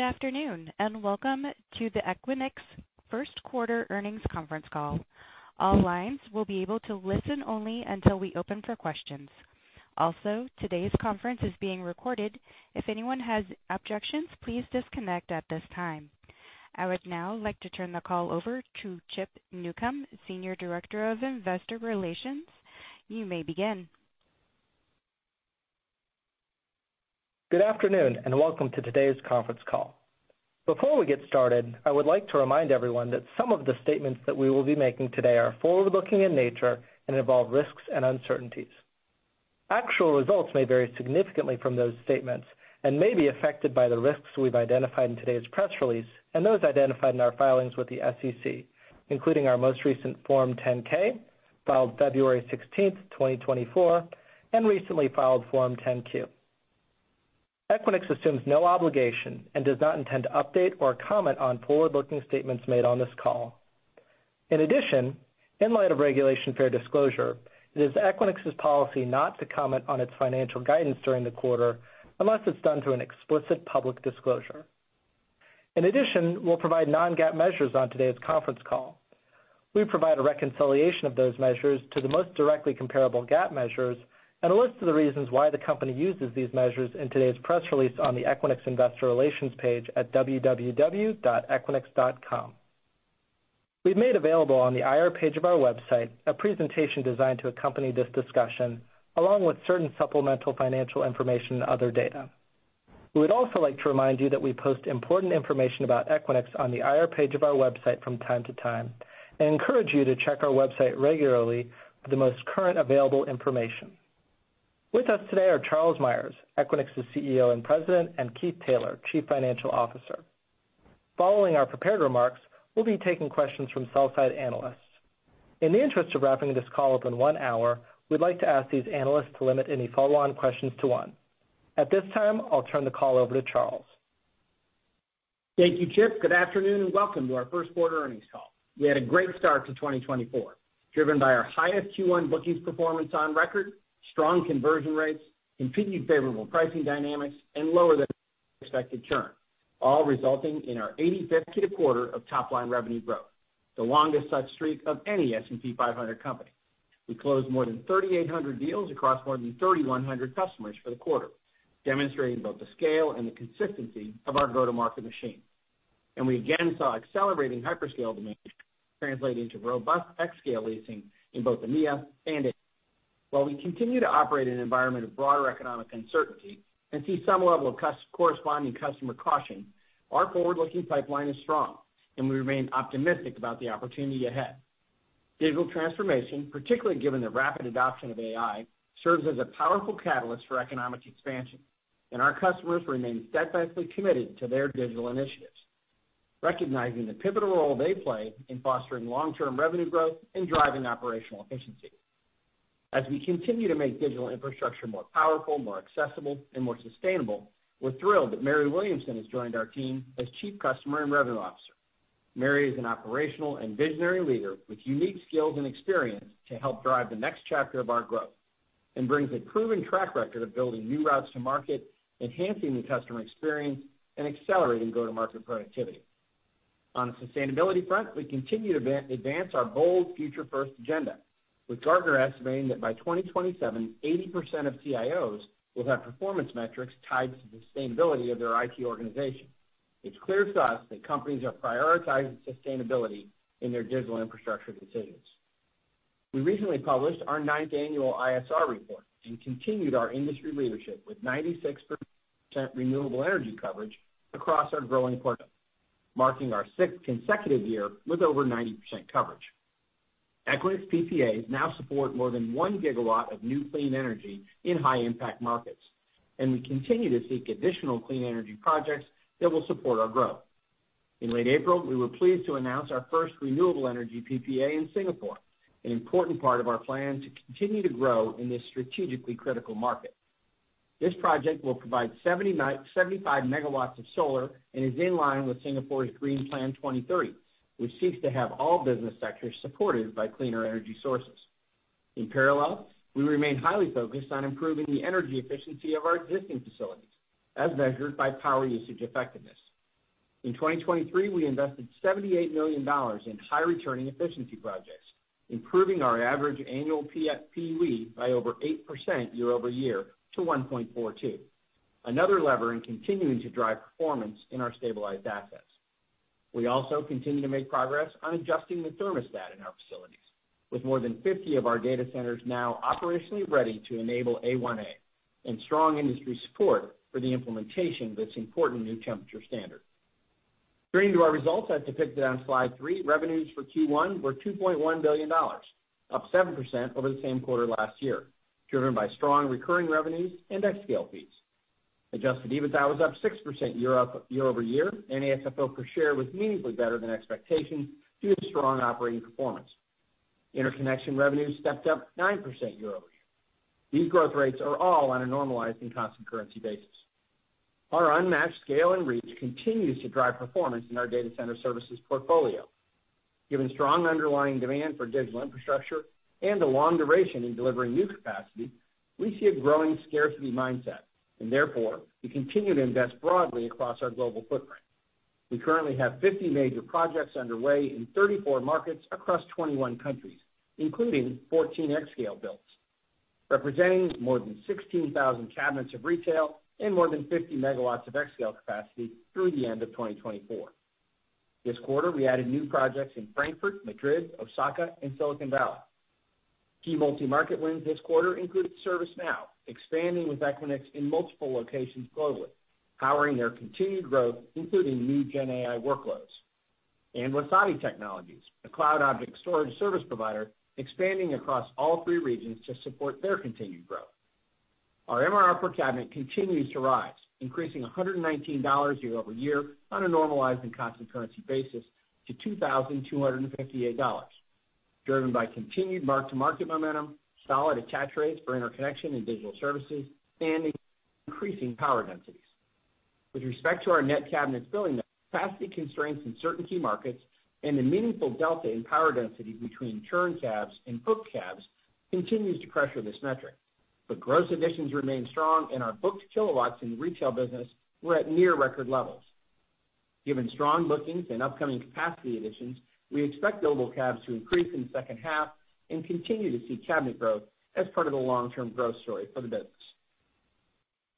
Good afternoon and welcome to the Equinix first quarter earnings conference call. All lines will be able to listen only until we open for questions. Also, today's conference is being recorded. If anyone has objections, please disconnect at this time. I would now like to turn the call over to Chip Newcom, Senior Director of Investor Relations. You may begin. Good afternoon and welcome to today's conference call. Before we get started, I would like to remind everyone that some of the statements that we will be making today are forward-looking in nature and involve risks and uncertainties. Actual results may vary significantly from those statements and may be affected by the risks we've identified in today's press release and those identified in our filings with the SEC, including our most recent Form 10-K filed February 16, 2024, and recently filed Form 10-Q. Equinix assumes no obligation and does not intend to update or comment on forward-looking statements made on this call. In addition, in light of Regulation Fair Disclosure, it is Equinix's policy not to comment on its financial guidance during the quarter unless it's done through an explicit public disclosure. In addition, we'll provide non-GAAP measures on today's conference call. We provide a reconciliation of those measures to the most directly comparable GAAP measures and a list of the reasons why the company uses these measures in today's press release on the Equinix Investor Relations page at www.equinix.com. We've made available on the IR page of our website a presentation designed to accompany this discussion, along with certain supplemental financial information and other data. We would also like to remind you that we post important information about Equinix on the IR page of our website from time to time and encourage you to check our website regularly for the most current available information. With us today are Charles Meyers, Equinix's CEO and President, and Keith Taylor, Chief Financial Officer. Following our prepared remarks, we'll be taking questions from sell-side analysts. In the interest of wrapping this call up in one hour, we'd like to ask these analysts to limit any follow-on questions to one. At this time, I'll turn the call over to Charles. Thank you, Chip. Good afternoon and welcome to our first quarter earnings call. We had a great start to 2024, driven by our highest Q1 bookings performance on record, strong conversion rates, continued favorable pricing dynamics, and lower than expected churn, all resulting in our 85th quarter of top-line revenue growth, the longest such streak of any S&P 500 company. We closed more than 3,800 deals across more than 3,100 customers for the quarter, demonstrating both the scale and the consistency of our go-to-market machine. And we again saw accelerating hyperscale demand translate into robust xScale leasing in both EMEA and Asia. While we continue to operate in an environment of broader economic uncertainty and see some level of corresponding customer caution, our forward-looking pipeline is strong, and we remain optimistic about the opportunity ahead. Digital transformation, particularly given the rapid adoption of AI, serves as a powerful catalyst for economic expansion, and our customers remain steadfastly committed to their digital initiatives, recognizing the pivotal role they play in fostering long-term revenue growth and driving operational efficiency. As we continue to make digital infrastructure more powerful, more accessible, and more sustainable, we're thrilled that Merrie Williamson has joined our team as Chief Customer and Revenue Officer. Merrie is an operational and visionary leader with unique skills and experience to help drive the next chapter of our growth and brings a proven track record of building new routes to market, enhancing the customer experience, and accelerating go-to-market productivity. On the sustainability front, we continue to advance our bold, future-first agenda, with Gartner estimating that by 2027, 80% of CIOs will have performance metrics tied to the sustainability of their IT organization. It's clear to us that companies are prioritizing sustainability in their digital infrastructure decisions. We recently published our ninth annual ISR report and continued our industry leadership with 96% renewable energy coverage across our growing portfolio, marking our sixth consecutive year with over 90% coverage. Equinix PPAs now support more than 1 GW of new clean energy in high-impact markets, and we continue to seek additional clean energy projects that will support our growth. In late April, we were pleased to announce our first renewable energy PPA in Singapore, an important part of our plan to continue to grow in this strategically critical market. This project will provide 75 MW of solar and is in line with Singapore's Green Plan 2030, which seeks to have all business sectors supported by cleaner energy sources. In parallel, we remain highly focused on improving the energy efficiency of our existing facilities, as measured by power usage effectiveness. In 2023, we invested $78 million in high-returning efficiency projects, improving our average annual PUE by over 8% year-over-year to 1.42, another lever in continuing to drive performance in our stabilized assets. We also continue to make progress on adjusting the thermostat in our facilities, with more than 50 of our data centers now operationally ready to enable A1A and strong industry support for the implementation of this important new temperature standard. Turning to our results as depicted on slide three, revenues for Q1 were $2.1 billion, up 7% over the same quarter last year, driven by strong recurring revenues and xScale fees. Adjusted EBITDA was up 6% year-over-year, and AFFO per share was meaningfully better than expectations due to strong operating performance. Interconnection revenues stepped up 9% year-over-year. These growth rates are all on a normalized and constant currency basis. Our unmatched scale and reach continues to drive performance in our data center services portfolio. Given strong underlying demand for digital infrastructure and the long duration in delivering new capacity, we see a growing scarcity mindset and, therefore, we continue to invest broadly across our global footprint. We currently have 50 major projects underway in 34 markets across 21 countries, including 14 xScale builds, representing more than 16,000 cabinets of retail and more than 50 megawatts of xScale capacity through the end of 2024. This quarter, we added new projects in Frankfurt, Madrid, Osaka, and Silicon Valley. Key multi-market wins this quarter included ServiceNow, expanding with Equinix in multiple locations globally, powering their continued growth, including new GenAI workloads, and Wasabi Technologies, a cloud object storage service provider, expanding across all three regions to support their continued growth. Our MRR per cabinet continues to rise, increasing $119 year-over-year on a normalized and constant currency basis to $2,258, driven by continued mark-to-market momentum, solid attach rates for interconnection and digital services, and increasing power densities. With respect to our net cabinet billing capacity constraints in certain key markets and the meaningful delta in power density between churncabs and bookedcabs, it continues to pressure this metric, but gross additions remain strong, and our booked kilowatts in the retail business were at near-record levels. Given strong bookings and upcoming capacity additions, we expect globalcabs to increase in the second half and continue to see cabinet growth as part of the long-term growth story for the business.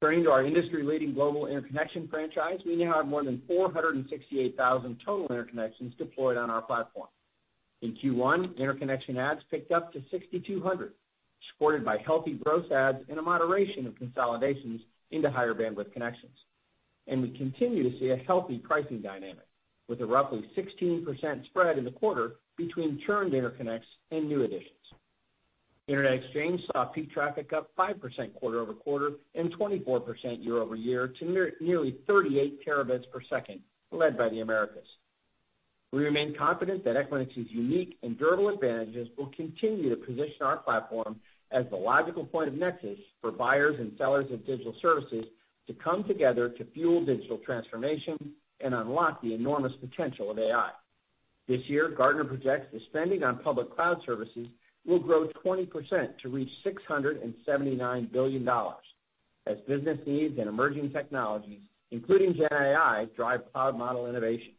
Staying true to our industry-leading global interconnection franchise, we now have more than 468,000 total interconnections deployed on our platform. In Q1, interconnection ads picked up to 6,200, supported by healthy gross ads and a moderation of consolidations into higher bandwidth connections. We continue to see a healthy pricing dynamic, with a roughly 16% spread in the quarter between churned interconnects and new additions. Internet exchange saw peak traffic up 5% quarter-over-quarter and 24% year-over-year to nearly 38 Tbps, led by the Americas. We remain confident that Equinix's unique and durable advantages will continue to position our platform as the logical point of nexus for buyers and sellers of digital services to come together to fuel digital transformation and unlock the enormous potential of AI. This year, Gartner projects the spending on public cloud services will grow 20% to reach $679 billion, as business needs and emerging technologies, including GenAI, drive cloud model innovation.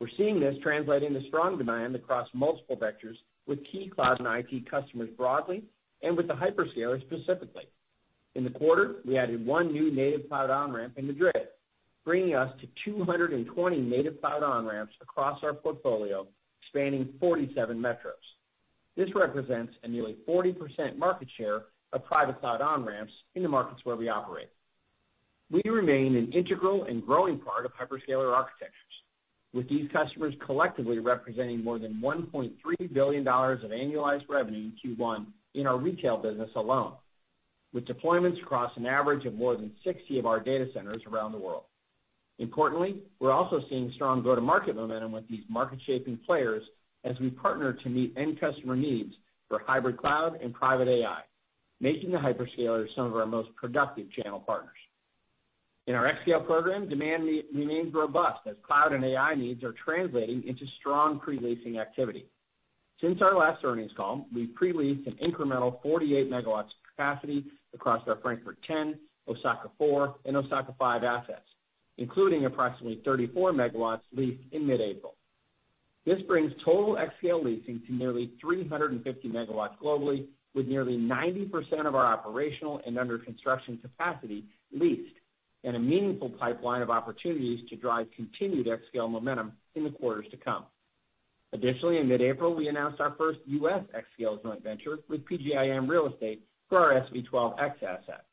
We're seeing this translating to strong demand across multiple vectors, with key cloud and IT customers broadly and with the hyperscaler specifically. In the quarter, we added one new native cloud on-ramp in Madrid, bringing us to 220 native cloud on-ramps across our portfolio, spanning 47 metros. This represents a nearly 40% market share of private cloud on-ramps in the markets where we operate. We remain an integral and growing part of hyperscaler architectures, with these customers collectively representing more than $1.3 billion of annualized revenue in Q1 in our retail business alone, with deployments across an average of more than 60 of our data centers around the world. Importantly, we're also seeing strong go-to-market momentum with these market-shaping players as we partner to meet end-customer needs for hybrid cloud and private AI, making the hyperscalers some of our most productive channel partners. In our xScale program, demand remains robust as cloud and AI needs are translating into strong pre-leasing activity. Since our last earnings call, we've pre-leased an incremental 48 MW of capacity across our Frankfurt 10, Osaka 4, and Osaka 5 assets, including approximately 34 MW leased in mid-April. This brings total xScale leasing to nearly 350 megawatts globally, with nearly 90% of our operational and under-construction capacity leased and a meaningful pipeline of opportunities to drive continued xScale momentum in the quarters to come. Additionally, in mid-April, we announced our first US xScale joint venture with PGIM Real Estate for our SV12X asset.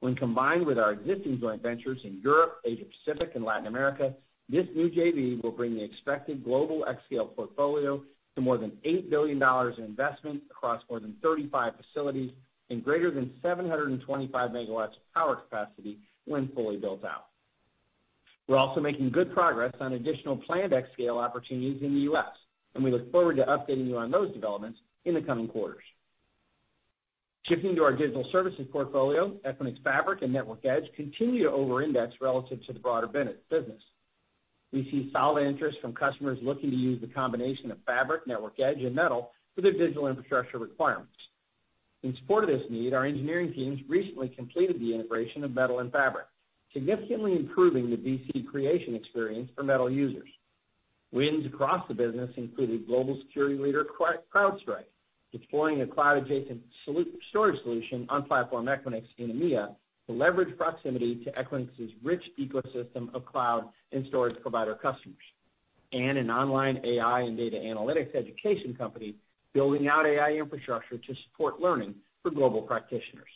When combined with our existing joint ventures in Europe, Asia-Pacific, and Latin America, this new JV will bring the expected global xScale portfolio to more than $8 billion in investment across more than 35 facilities and greater than 725 megawatts of power capacity when fully built out. We're also making good progress on additional planned xScale opportunities in the US, and we look forward to updating you on those developments in the coming quarters. Shifting to our digital services portfolio, Equinix Fabric and Network Edge continue to over-index relative to the broader business. We see solid interest from customers looking to use the combination of Fabric, Network Edge, and Metal for their digital infrastructure requirements. In support of this need, our engineering teams recently completed the integration of Metal and Fabric, significantly improving the VC creation experience for Metal users. Wins across the business included global security leader CrowdStrike deploying a cloud-adjacent storage solution on Platform Equinix in EMEA to leverage proximity to Equinix's rich ecosystem of cloud and storage provider customers, and an online AI and data analytics education company building out AI infrastructure to support learning for global practitioners.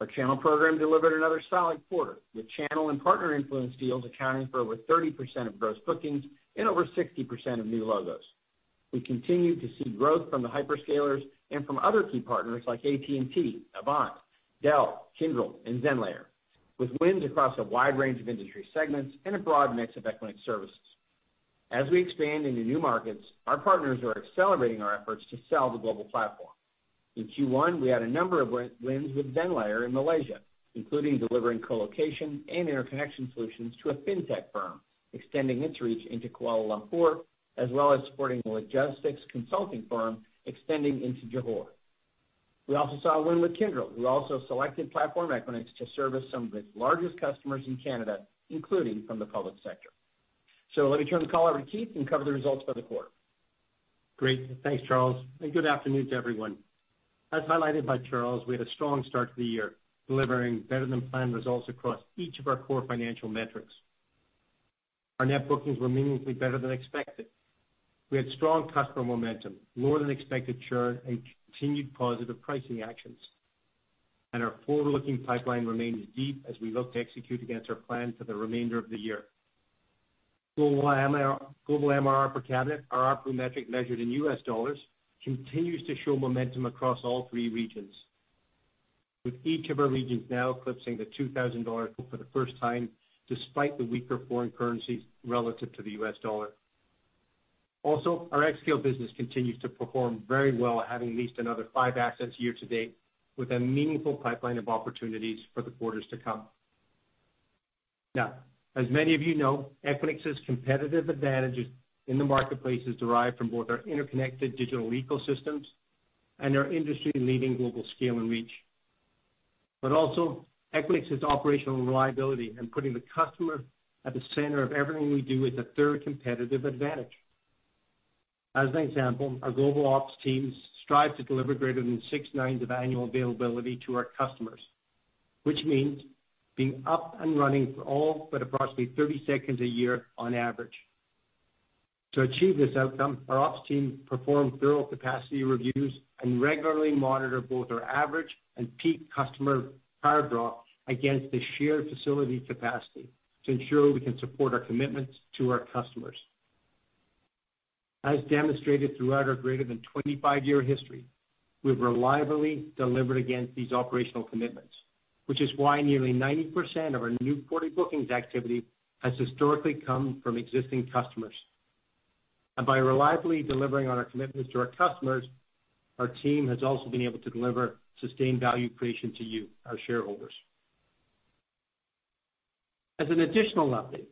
Our channel program delivered another solid quarter, with channel and partner influence deals accounting for over 30% of gross bookings and over 60% of new logos. We continue to see growth from the hyperscalers and from other key partners like AT&T, Avant, Dell, Kyndryl, and Zenlayer, with wins across a wide range of industry segments and a broad mix of Equinix services. As we expand into new markets, our partners are accelerating our efforts to sell the global platform. In Q1, we had a number of wins with Zenlayer in Malaysia, including delivering colocation and interconnection solutions to a fintech firm extending its reach into Kuala Lumpur, as well as supporting the logistics consulting firm extending into Johor. We also saw a win with Kyndryl, who also selected Platform Equinix to service some of its largest customers in Canada, including from the public sector. Let me turn the call over to Keith and cover the results for the quarter. Great. Thanks, Charles. Good afternoon to everyone. As highlighted by Charles, we had a strong start to the year, delivering better-than-planned results across each of our core financial metrics. Our net bookings were meaningfully better than expected. We had strong customer momentum, lower-than-expected churn, and continued positive pricing actions. Our forward-looking pipeline remains deep as we look to execute against our plan for the remainder of the year. Global MRR per cabinet, our RPU metric measured in U.S. dollars, continues to show momentum across all three regions, with each of our regions now eclipsing the $2,000 for the first time despite the weaker foreign currencies relative to the U.S. dollar. Also, our xScale business continues to perform very well, having leased another 5 assets year to date with a meaningful pipeline of opportunities for the quarters to come. Now, as many of you know, Equinix's competitive advantages in the marketplace is derived from both our interconnected digital ecosystems and our industry-leading global scale and reach. But also, Equinix's operational reliability and putting the customer at the center of everything we do is a third competitive advantage. As an example, our global ops teams strive to deliver greater than six nines of annual availability to our customers, which means being up and running for all but approximately 30 seconds a year on average. To achieve this outcome, our ops teams perform thorough capacity reviews and regularly monitor both our average and peak customer power drop against the shared facility capacity to ensure we can support our commitments to our customers. As demonstrated throughout our greater than 25-year history, we have reliably delivered against these operational commitments, which is why nearly 90% of our new quarterly bookings activity has historically come from existing customers. By reliably delivering on our commitments to our customers, our team has also been able to deliver sustained value creation to you, our shareholders. As an additional update,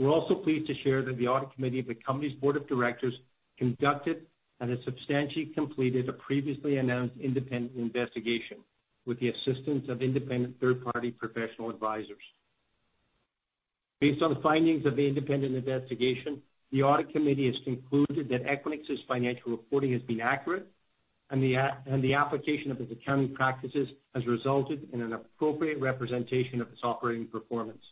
we're also pleased to share that the audit committee of the company's board of directors conducted and has substantially completed a previously announced independent investigation with the assistance of independent third-party professional advisors. Based on the findings of the independent investigation, the audit committee has concluded that Equinix's financial reporting has been accurate and the application of its accounting practices has resulted in an appropriate representation of its operating performance.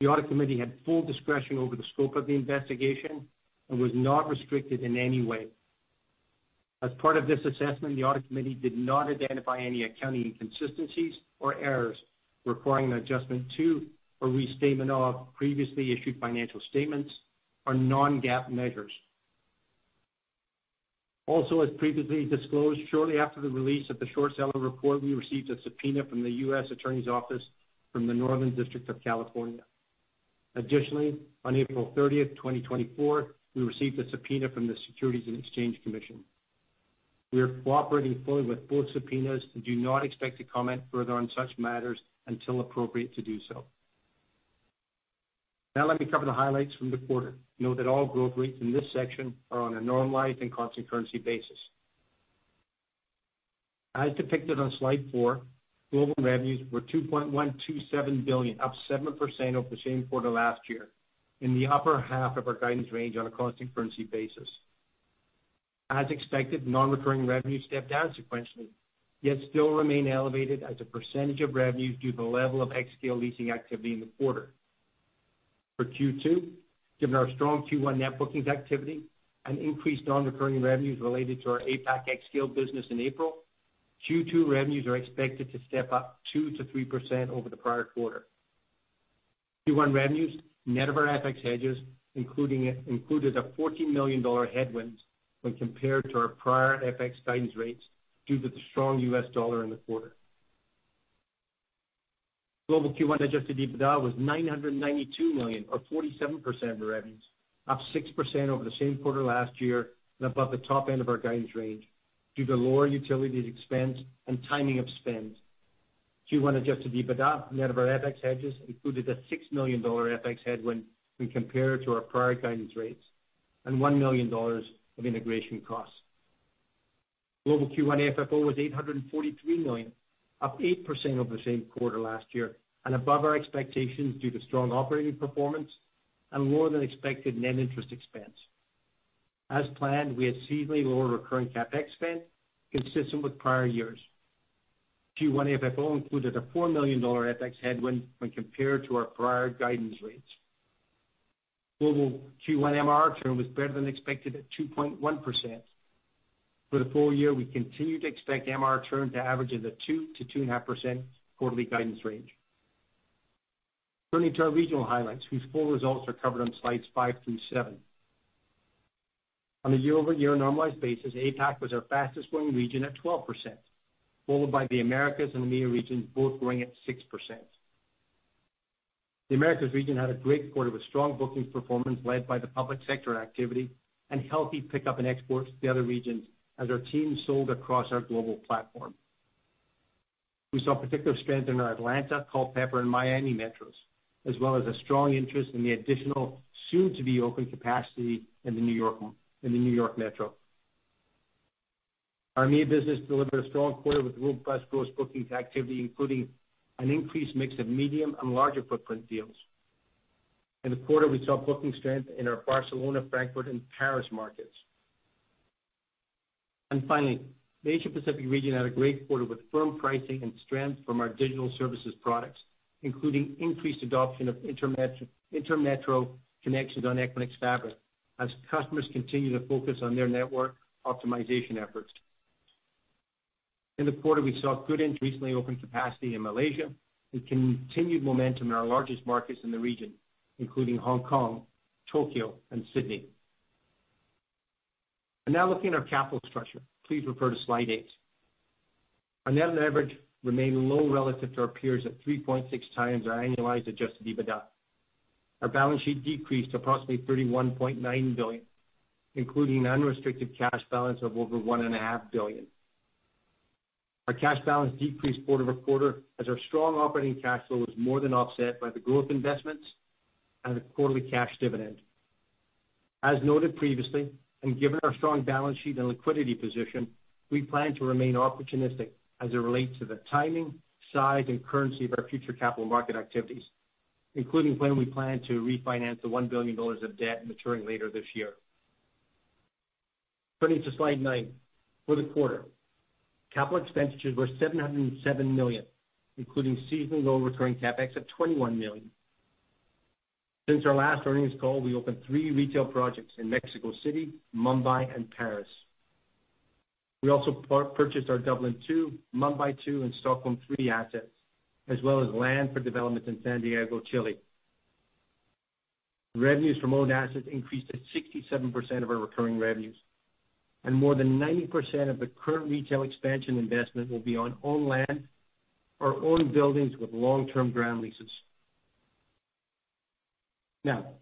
The audit committee had full discretion over the scope of the investigation and was not restricted in any way. As part of this assessment, the audit committee did not identify any accounting inconsistencies or errors requiring an adjustment to or restatement of previously issued financial statements or non-GAAP measures. Also, as previously disclosed, shortly after the release of the short seller report, we received a subpoena from the U.S. Attorney's Office from the Northern District of California. Additionally, on April 30th, 2024, we received a subpoena from the Securities and Exchange Commission. We are cooperating fully with both subpoenas and do not expect to comment further on such matters until appropriate to do so. Now let me cover the highlights from the quarter. Note that all growth rates in this section are on a normalized and constant currency basis. As depicted on slide four, global revenues were $2.127 billion, up 7% over the same quarter last year, in the upper half of our guidance range on a constant currency basis. As expected, non-recurring revenues stepped down sequentially, yet still remain elevated as a percentage of revenues due to the level of xScale leasing activity in the quarter. For Q2, given our strong Q1 net bookings activity and increased non-recurring revenues related to our APAC xScale business in April, Q2 revenues are expected to step up 2%-3% over the prior quarter. Q1 revenues, net of our FX hedges, included a $14 million headwind when compared to our prior FX guidance rates due to the strong US dollar in the quarter. Global Q1 adjusted EBITDA was $992 million, or 47% of revenues, up 6% over the same quarter last year and above the top end of our guidance range due to lower utilities expense and timing of spend. Q1 adjusted EBITDA, net of our FX hedges, included a $6 million FX headwind when compared to our prior guidance rates and $1 million of integration costs. Global Q1 AFFO was $843 million, up 8% over the same quarter last year and above our expectations due to strong operating performance and lower-than-expected net interest expense. As planned, we had seasonally lower recurring CapEx spend consistent with prior years. Q1 AFFO included a $4 million FX headwind when compared to our prior guidance rates. Global Q1 MRR return was better than expected at 2.1%. For the full year, we continue to expect MRR return to average in the 2%-2.5% quarterly guidance range. Turning to our regional highlights, whose full results are covered on slides 5 through 7. On a year-over-year normalized basis, APAC was our fastest-growing region at 12%, followed by the Americas and EMEA regions, both growing at 6%. The Americas region had a great quarter with strong bookings performance led by the public sector activity and healthy pickup in exports to the other regions as our teams sold across our global platform. We saw particular strength in our Atlanta, Culpeper, and Miami metros, as well as a strong interest in the additional soon-to-be-open capacity in the New York metro. Our EMEA business delivered a strong quarter with robust gross bookings activity, including an increased mix of medium and larger footprint deals. In the quarter, we saw booking strength in our Barcelona, Frankfurt, and Paris markets. Finally, the Asia-Pacific region had a great quarter with firm pricing and strength from our digital services products, including increased adoption of intermetro connections on Equinix Fabric as customers continue to focus on their network optimization efforts. In the quarter, we saw good. Recently opened capacity in Malaysia and continued momentum in our largest markets in the region, including Hong Kong, Tokyo, and Sydney. Now looking at our capital structure, please refer to slide 8. Our net on average remained low relative to our peers at 3.6 times our annualized Adjusted EBITDA. Our balance sheet decreased to approximately $31.9 billion, including an unrestricted cash balance of over $1.5 billion. Our cash balance decreased quarter-over-quarter as our strong operating cash flow was more than offset by the growth investments and the quarterly cash dividend. As noted previously, and given our strong balance sheet and liquidity position, we plan to remain opportunistic as it relates to the timing, size, and currency of our future capital market activities, including when we plan to refinance the $1 billion of debt maturing later this year. Turning to slide nine for the quarter, capital expenditures were $707 million, including seasonally lower recurring CapEx of $21 million. Since our last earnings call, we opened three retail projects in Mexico City, Mumbai, and Paris. We also purchased our Dublin II, Mumbai 2, and Stockholm III assets, as well as land for development in Santiago, Chile. Revenues from owned assets increased to 67% of our recurring revenues, and more than 90% of the current retail expansion investment will be on owned land or owned buildings with long-term ground leases. Now,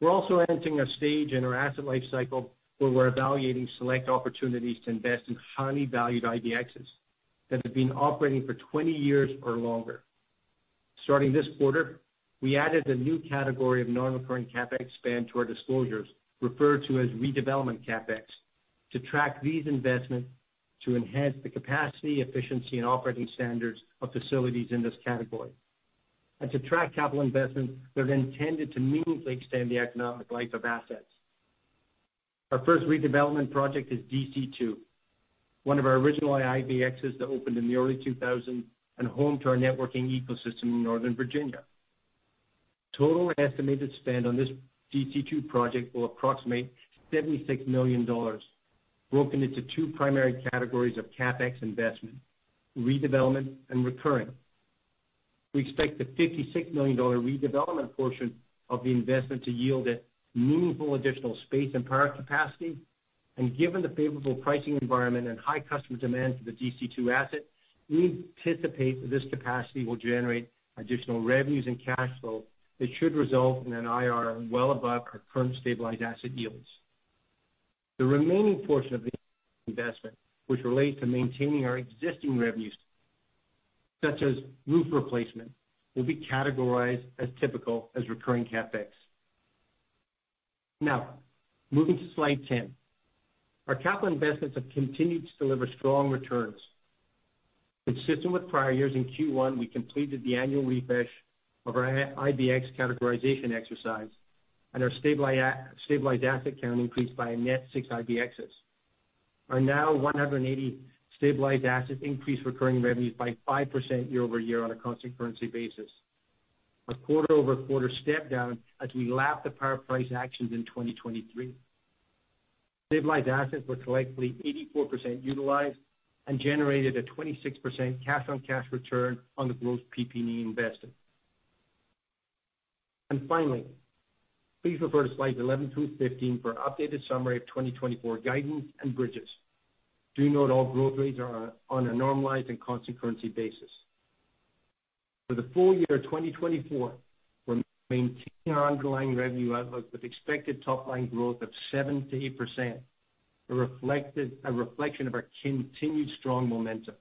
we're also entering a stage in our asset life cycle where we're evaluating select opportunities to invest in highly valued IBXs that have been operating for 20 years or longer. Starting this quarter, we added a new category of non-recurring CapEx spend to our disclosures, referred to as redevelopment CapEx, to track these investments to enhance the capacity, efficiency, and operating standards of facilities in this category. And to track capital investments that are intended to meaningfully extend the economic life of assets. Our first redevelopment project is DC2, one of our original IBXs that opened in the early 2000s and home to our networking ecosystem in Northern Virginia. Total estimated spend on this DC2 project will approximate $76 million, broken into two primary categories of CapEx investment: redevelopment and recurring. We expect the $56 million redevelopment portion of the investment to yield meaningful additional space and power capacity. And given the favorable pricing environment and high customer demand for the DC2 asset, we anticipate that this capacity will generate additional revenues and cash flow that should result in an IR well above our current stabilized asset yields. The remaining portion of the investment, which relates to maintaining our existing revenues, such as roof replacement, will be categorized as typical recurring CapEx. Now, moving to slide 10, our capital investments have continued to deliver strong returns. Consistent with prior years, in Q1, we completed the annual refresh of our IBX categorization exercise, and our stabilized asset count increased by a net six IBXs. Our now 180 stabilized assets increased recurring revenues by 5% year-over-year on a constant currency basis, a quarter-over-quarter step down as we lapped the power price actions in 2023. Stabilized assets were collectively 84% utilized and generated a 26% cash-on-cash return on the gross PPE invested. Finally, please refer to slides 11 through 15 for an updated summary of 2024 guidance and bridges. Do note all growth rates are on a normalized and constant currency basis. For the full year of 2024, we're maintaining our underlying revenue outlook with expected top-line growth of 7%-8%, a reflection of our continued strong momentum.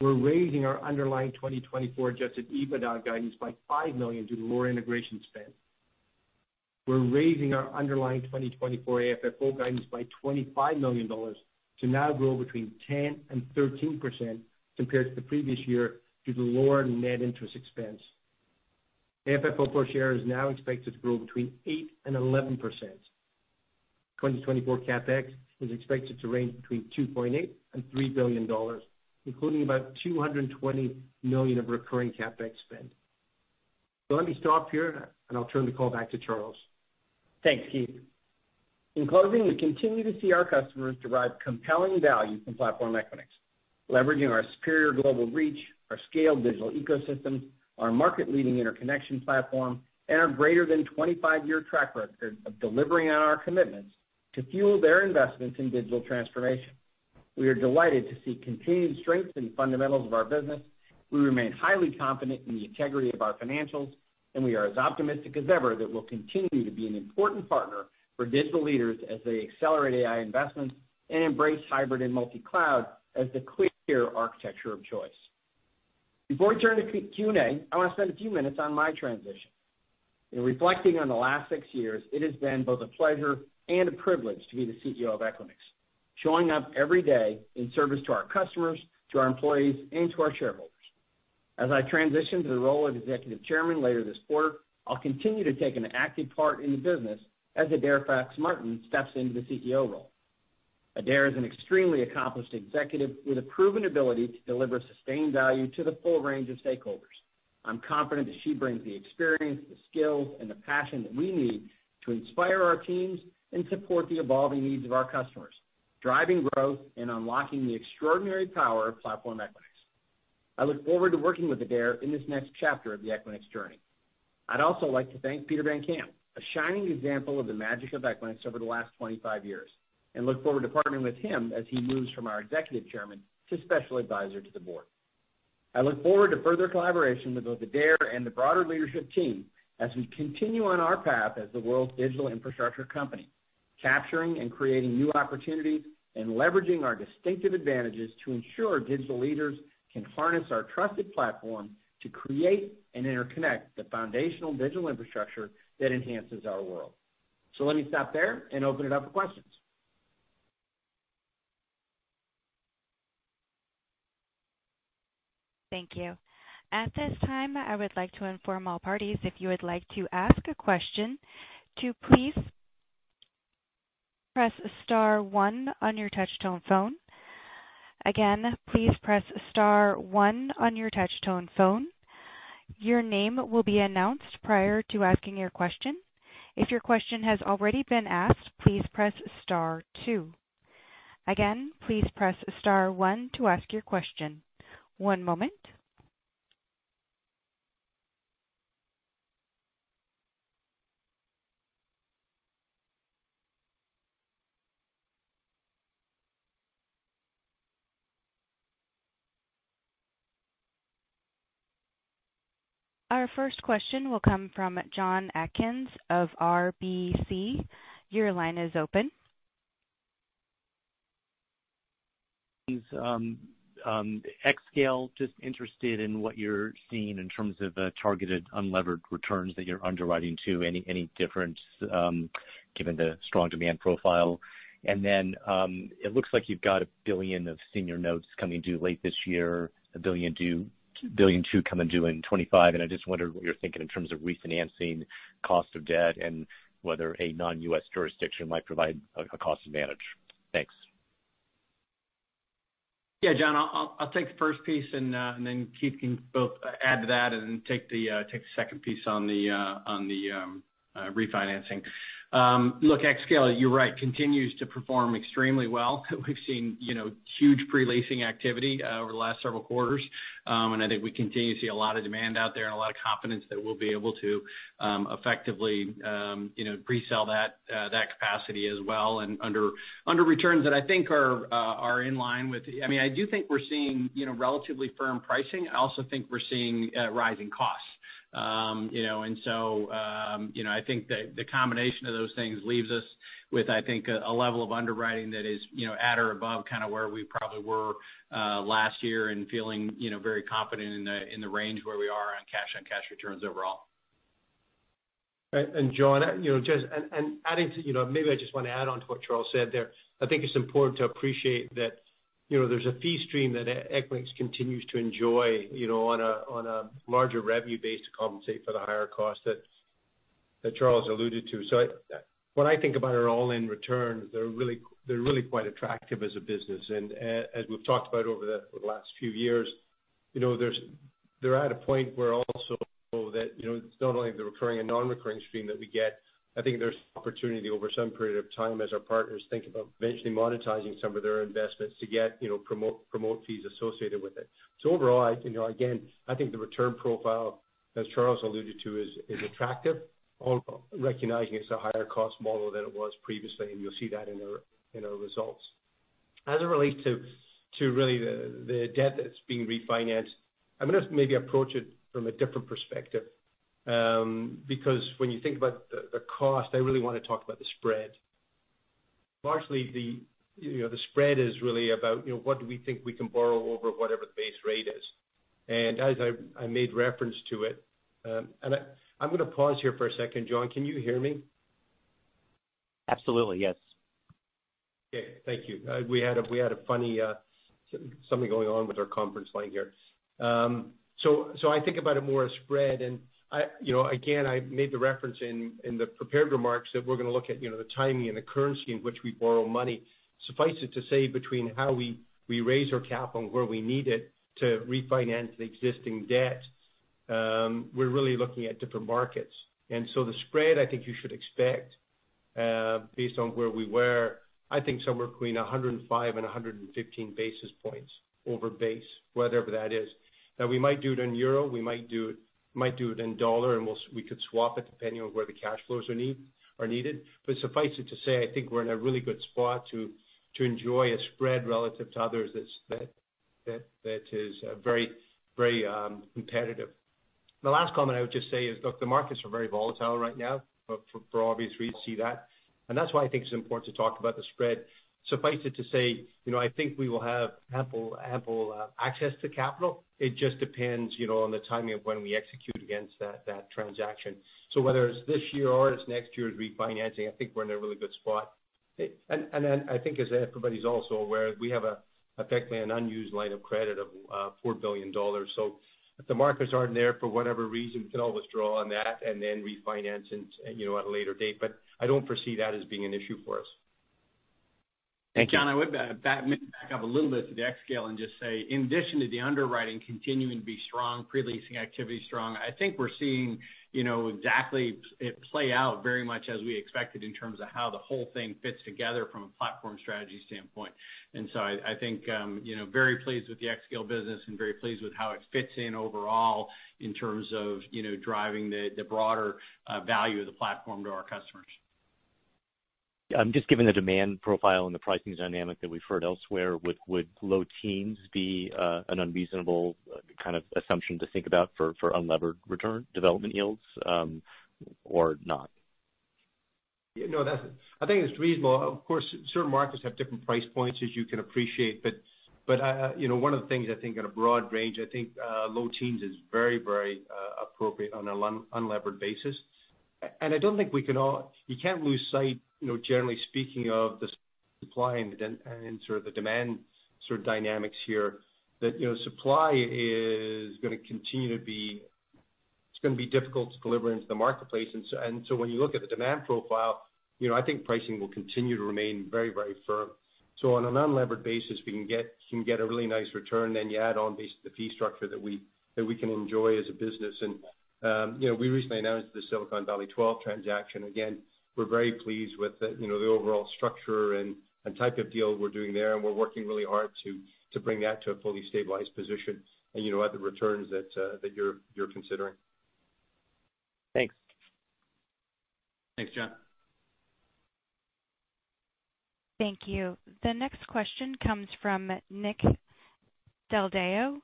We're raising our underlying 2024 Adjusted EBITDA guidance by $5 million due to lower integration spend. We're raising our underlying 2024 AFFO guidance by $25 million to now grow between 10%-13% compared to the previous year due to lower net interest expense. AFFO per share is now expected to grow between 8%-11%. 2024 CapEx is expected to range between $2.8-$3 billion, including about $220 million of recurring CapEx spend. So let me stop here, and I'll turn the call back to Charles. Thanks, Keith. In closing, we continue to see our customers derive compelling value from Platform Equinix, leveraging our superior global reach, our scaled digital ecosystems, our market-leading interconnection platform, and our greater than 25-year track record of delivering on our commitments to fuel their investments in digital transformation. We are delighted to see continued strength in the fundamentals of our business. We remain highly confident in the integrity of our financials, and we are as optimistic as ever that we'll continue to be an important partner for digital leaders as they accelerate AI investments and embrace hybrid and multi-cloud as the clear architecture of choice. Before we turn to Q&A, I want to spend a few minutes on my transition. In reflecting on the last six years, it has been both a pleasure and a privilege to be the CEO of Equinix, showing up every day in service to our customers, to our employees, and to our shareholders. As I transition to the role of Executive Chairman later this quarter, I'll continue to take an active part in the business as Adaire Fox-Martin steps into the CEO role. Adaire is an extremely accomplished executive with a proven ability to deliver sustained value to the full range of stakeholders. I'm confident that she brings the experience, the skills, and the passion that we need to inspire our teams and support the evolving needs of our customers, driving growth and unlocking the extraordinary power of Platform Equinix. I look forward to working with Adaire in this next chapter of the Equinix journey. I'd also like to thank Peter Van Camp, a shining example of the magic of Equinix over the last 25 years, and look forward to partnering with him as he moves from our Executive Chairman to Special Advisor to the Board. I look forward to further collaboration with both Adaire and the broader leadership team as we continue on our path as the world's digital infrastructure company, capturing and creating new opportunities and leveraging our distinctive advantages to ensure digital leaders can harness our trusted platform to create and interconnect the foundational digital infrastructure that enhances our world. So let me stop there and open it up for questions. Thank you. At this time, I would like to inform all parties if you would like to ask a question to please press star one on your touch-tone phone. Again, please press star one on your touch-tone phone. Your name will be announced prior to asking your question. If your question has already been asked, please press star two. Again, please press star one to ask your question. One moment. Our first question will come from Jon Atkin of RBC. Your line is open. Is, xScale just interested in what you're seeing in terms of, targeted unlevered returns that you're underwriting to, any, any difference, given the strong demand profile. And then, it looks like you've got $1 billion of senior notes coming due late this year, $1 billion due, $1.2 billion coming due in 2025. I just wondered what you're thinking in terms of refinancing cost of debt and whether a non-US jurisdiction might provide a cost advantage. Thanks. Yeah, Jon, I'll take the first piece and then Keith can both add to that and take the second piece on the refinancing. Look, xScale, you're right, continues to perform extremely well. We've seen, you know, huge pre-leasing activity over the last several quarters. I think we continue to see a lot of demand out there and a lot of confidence that we'll be able to effectively, you know, resell that capacity as well and under returns that I think are in line with. I mean, I do think we're seeing, you know, relatively firm pricing. I also think we're seeing rising costs. You know, and so, you know, I think that the combination of those things leaves us with, I think, a level of underwriting that is, you know, at or above kind of where we probably were last year and feeling, you know, very confident in the range where we are on cash-on-cash returns overall. Right. And Jon, you know, just adding to, you know, maybe I just want to add on to what Charles said there. I think it's important to appreciate that, you know, there's a fee stream that Equinix continues to enjoy, you know, on a larger revenue base to compensate for the higher cost that Charles alluded to. So when I think about our all-in returns, they're really they're really quite attractive as a business. As we've talked about over the last few years, you know, they're at a point where also that, you know, it's not only the recurring and non-recurring stream that we get. I think there's opportunity over some period of time as our partners think about eventually monetizing some of their investments to get, you know, promote fees associated with it. So overall, I, you know, again, I think the return profile, as Charles alluded to, is attractive, all recognizing it's a higher-cost model than it was previously. And you'll see that in our results. As it relates to really the debt that's being refinanced, I'm going to maybe approach it from a different perspective, because when you think about the cost, I really want to talk about the spread. Largely, you know, the spread is really about, you know, what do we think we can borrow over whatever the base rate is. And as I made reference to it, and I'm going to pause here for a second. Jon, can you hear me? Absolutely. Yes. Okay. Thank you. We had a funny something going on with our conference line here. So I think about it more as spread. And I, you know, again, made the reference in the prepared remarks that we're going to look at, you know, the timing and the currency in which we borrow money. Suffice it to say, between how we raise our capital and where we need it to refinance the existing debt, we're really looking at different markets. And so the spread, I think you should expect, based on where we were, I think somewhere between 105 and 115 basis points over base, whatever that is. Now, we might do it in euro. We might do it in dollar, and we could swap it depending on where the cash flows are needed. But suffice it to say, I think we're in a really good spot to enjoy a spread relative to others that is very competitive. The last comment I would just say is, look, the markets are very volatile right now. For obvious reasons, you see that. And that's why I think it's important to talk about the spread. Suffice it to say, you know, I think we will have ample access to capital. It just depends, you know, on the timing of when we execute against that transaction. So whether it's this year or it's next year's refinancing, I think we're in a really good spot. And then I think, as everybody's also aware, we have, effectively, an unused line of credit of $4 billion. So if the markets aren't there for whatever reason, we can always draw on that and then refinance and, you know, at a later date. But I don't foresee that as being an issue for us. Thank you. Jon, I would back up a little bit to the xScale and just say, in addition to the underwriting continuing to be strong, pre-leasing activity strong, I think we're seeing, you know, exactly it play out very much as we expected in terms of how the whole thing fits together from a platform strategy standpoint. I think, you know, very pleased with the xScale business and very pleased with how it fits in overall in terms of, you know, driving the broader value of the platform to our customers. I'm just given the demand profile and the pricing dynamic that we've heard elsewhere, would low teens be an unreasonable kind of assumption to think about for unlevered return development yields, or not? Yeah. No, that's, I think it's reasonable. Of course, certain markets have different price points, as you can appreciate. But I, you know, one of the things I think in a broad range, I think low teens is very, very appropriate on an unlevered basis. I don't think we can. You can't lose sight, you know, generally speaking, of the supply and sort of the demand dynamics here, that, you know, supply is going to continue to be. It's going to be difficult to deliver into the marketplace. So when you look at the demand profile, you know, I think pricing will continue to remain very, very firm. So on an unlevered basis, we can get a really nice return, then you add on based on the fee structure that we can enjoy as a business. And, you know, we recently announced the Silicon Valley 12 transaction. Again, we're very pleased with the, you know, the overall structure and type of deal we're doing there. We're working really hard to bring that to a fully stabilized position, you know, at the returns that you're considering. Thanks. Thanks, Jon. Thank you. The next question comes from Nick Del Deo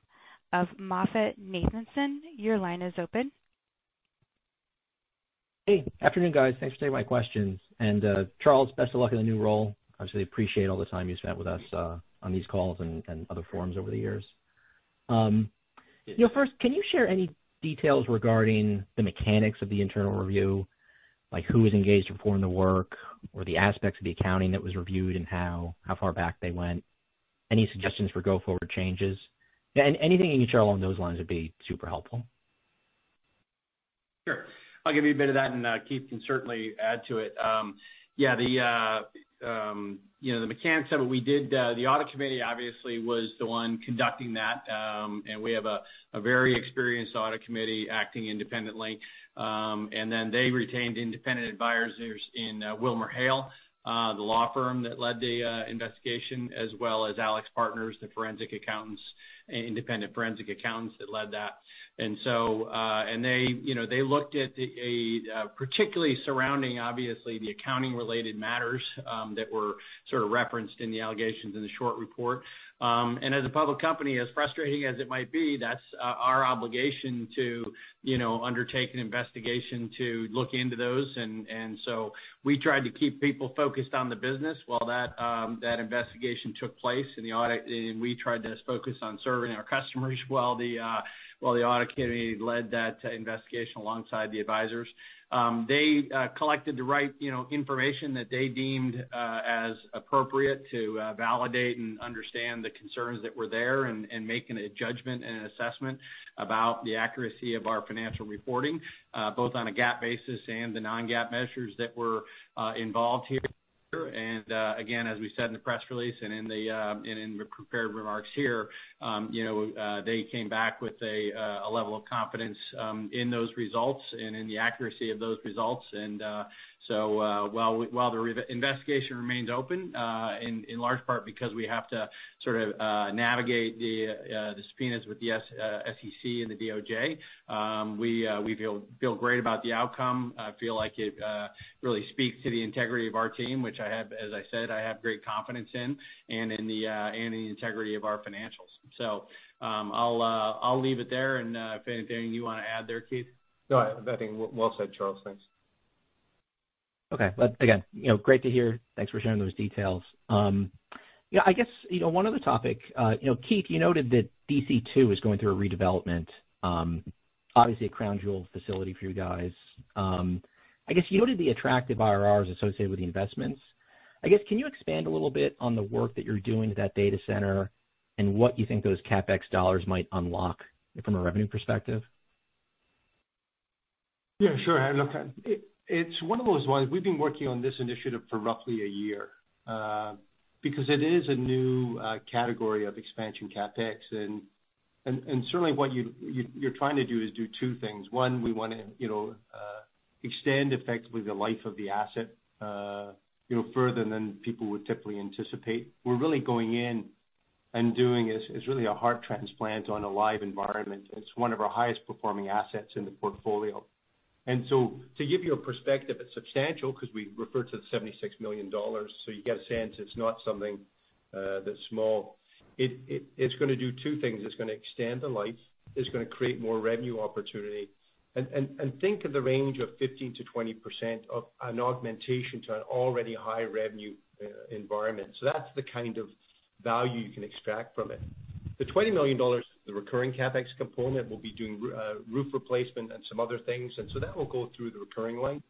of MoffettNathanson. Your line is open. Hey. Afternoon, guys. Thanks for taking my questions. Charles, best of luck in the new role. Obviously, I appreciate all the time you spent with us, on these calls and other forums over the years. You know, first, can you share any details regarding the mechanics of the internal review, like who was engaged to perform the work or the aspects of the accounting that was reviewed and how far back they went, any suggestions for go-forward changes? Anything you can share along those lines would be super helpful. Sure. I'll give you a bit of that, and Keith can certainly add to it. Yeah, you know, the mechanics of what we did, the audit committee obviously was the one conducting that. We have a very experienced audit committee acting independently. Then they retained independent advisors in WilmerHale, the law firm that led the investigation, as well as AlixPartners, the forensic accountants, independent forensic accountants that led that. And so they, you know, they looked at, particularly surrounding, obviously, the accounting-related matters that were sort of referenced in the allegations in the short report. As a public company, as frustrating as it might be, that's our obligation to, you know, undertake an investigation to look into those. So we tried to keep people focused on the business while that investigation took place and the audit and we tried to focus on serving our customers while the audit committee led that investigation alongside the advisors. They collected the right, you know, information that they deemed as appropriate to validate and understand the concerns that were there and making a judgment and an assessment about the accuracy of our financial reporting, both on a GAAP basis and the non-GAAP measures that were involved here. Again, as we said in the press release and in the prepared remarks here, you know, they came back with a level of confidence in those results and in the accuracy of those results. While the investigation remains open, in large part because we have to sort of navigate the subpoenas with the SEC and the DOJ, we feel great about the outcome. I feel like it really speaks to the integrity of our team, which, as I said, I have great confidence in and in the integrity of our financials. So, I'll leave it there. If anything you want to add there, Keith? No, I think well said, Charles. Thanks. Okay. But again, you know, great to hear. Thanks for sharing those details. You know, I guess, you know, one other topic, you know, Keith, you noted that DC2 is going through a redevelopment, obviously, a crown jewel facility for you guys. I guess you noted the attractive IRRs associated with the investments. I guess, can you expand a little bit on the work that you're doing to that data center and what you think those CapEx dollars might unlock from a revenue perspective? Yeah. Sure. Look, it's one of those ones we've been working on this initiative for roughly a year, because it is a new category of expansion CapEx. And certainly, what you're trying to do is do two things. One, we want to, you know, extend, effectively, the life of the asset, you know, further than people would typically anticipate. We're really going in and doing is really a heart transplant on a live environment. It's one of our highest performing assets in the portfolio. And so to give you a perspective, it's substantial because we refer to the $76 million. So you've got a sense. It's not something that's small. It's going to do two things. It's going to extend the life. It's going to create more revenue opportunity. And think of the range of 15%-20% of an augmentation to an already high-revenue environment. So that's the kind of value you can extract from it. The $20 million, the recurring CapEx component, we'll be doing roof replacement and some other things. And so that will go through the recurring line.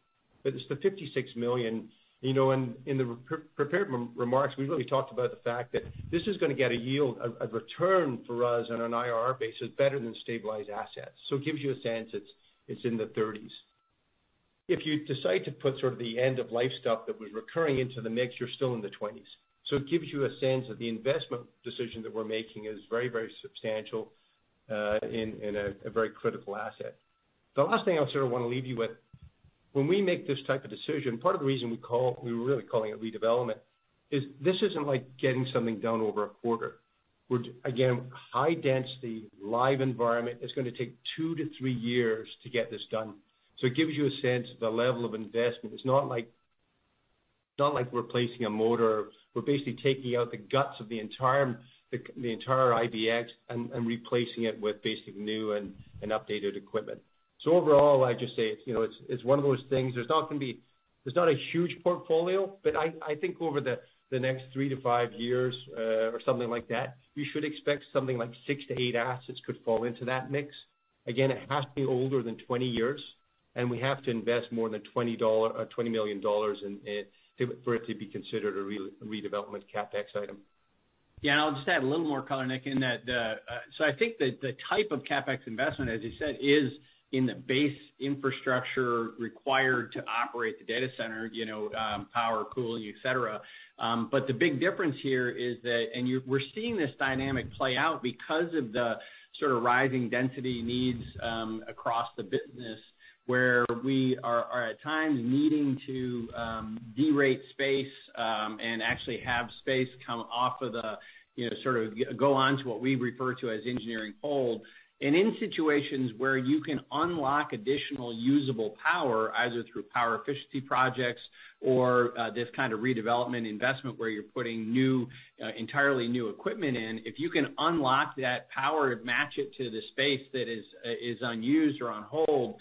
But it's the $56 million, you know, and in the prepared remarks, we really talked about the fact that this is going to get a yield a return for us on an IRR basis better than stabilized assets. So it gives you a sense it's, it's in the 30s%. If you decide to put sort of the end-of-life stuff that was recurring into the mix, you're still in the 20s%. So it gives you a sense that the investment decision that we're making is very, very substantial, in a very critical asset. The last thing I sort of want to leave you with, when we make this type of decision, part of the reason we're really calling it redevelopment is this isn't like getting something done over a quarter. We're again a high-density, live environment. It's going to take two to three years to get this done. So it gives you a sense of the level of investment. It's not like replacing a motor. We're basically taking out the guts of the entire IBX and replacing it with basically new and updated equipment. So overall, I just say it's, you know, it's one of those things. There's not going to be a huge portfolio. But I think over the next 3-5 years, or something like that, you should expect something like 6-8 assets could fall into that mix. Again, it has to be older than 20 years. And we have to invest more than $20 or $20 million in for it to be considered a redevelopment CapEx item. Yeah. And I'll just add a little more color, Nick, in that, so I think that the type of CapEx investment, as you said, is in the base infrastructure required to operate the data center, you know, power, cooling, etc. But the big difference here is that we're seeing this dynamic play out because of the sort of rising density needs across the business where we are at times needing to derate space, and actually have space come off of the, you know, sort of go on to what we refer to as engineering hold. And in situations where you can unlock additional usable power, either through power efficiency projects or this kind of redevelopment investment where you're putting new, entirely new equipment in, if you can unlock that power and match it to the space that is unused or on hold,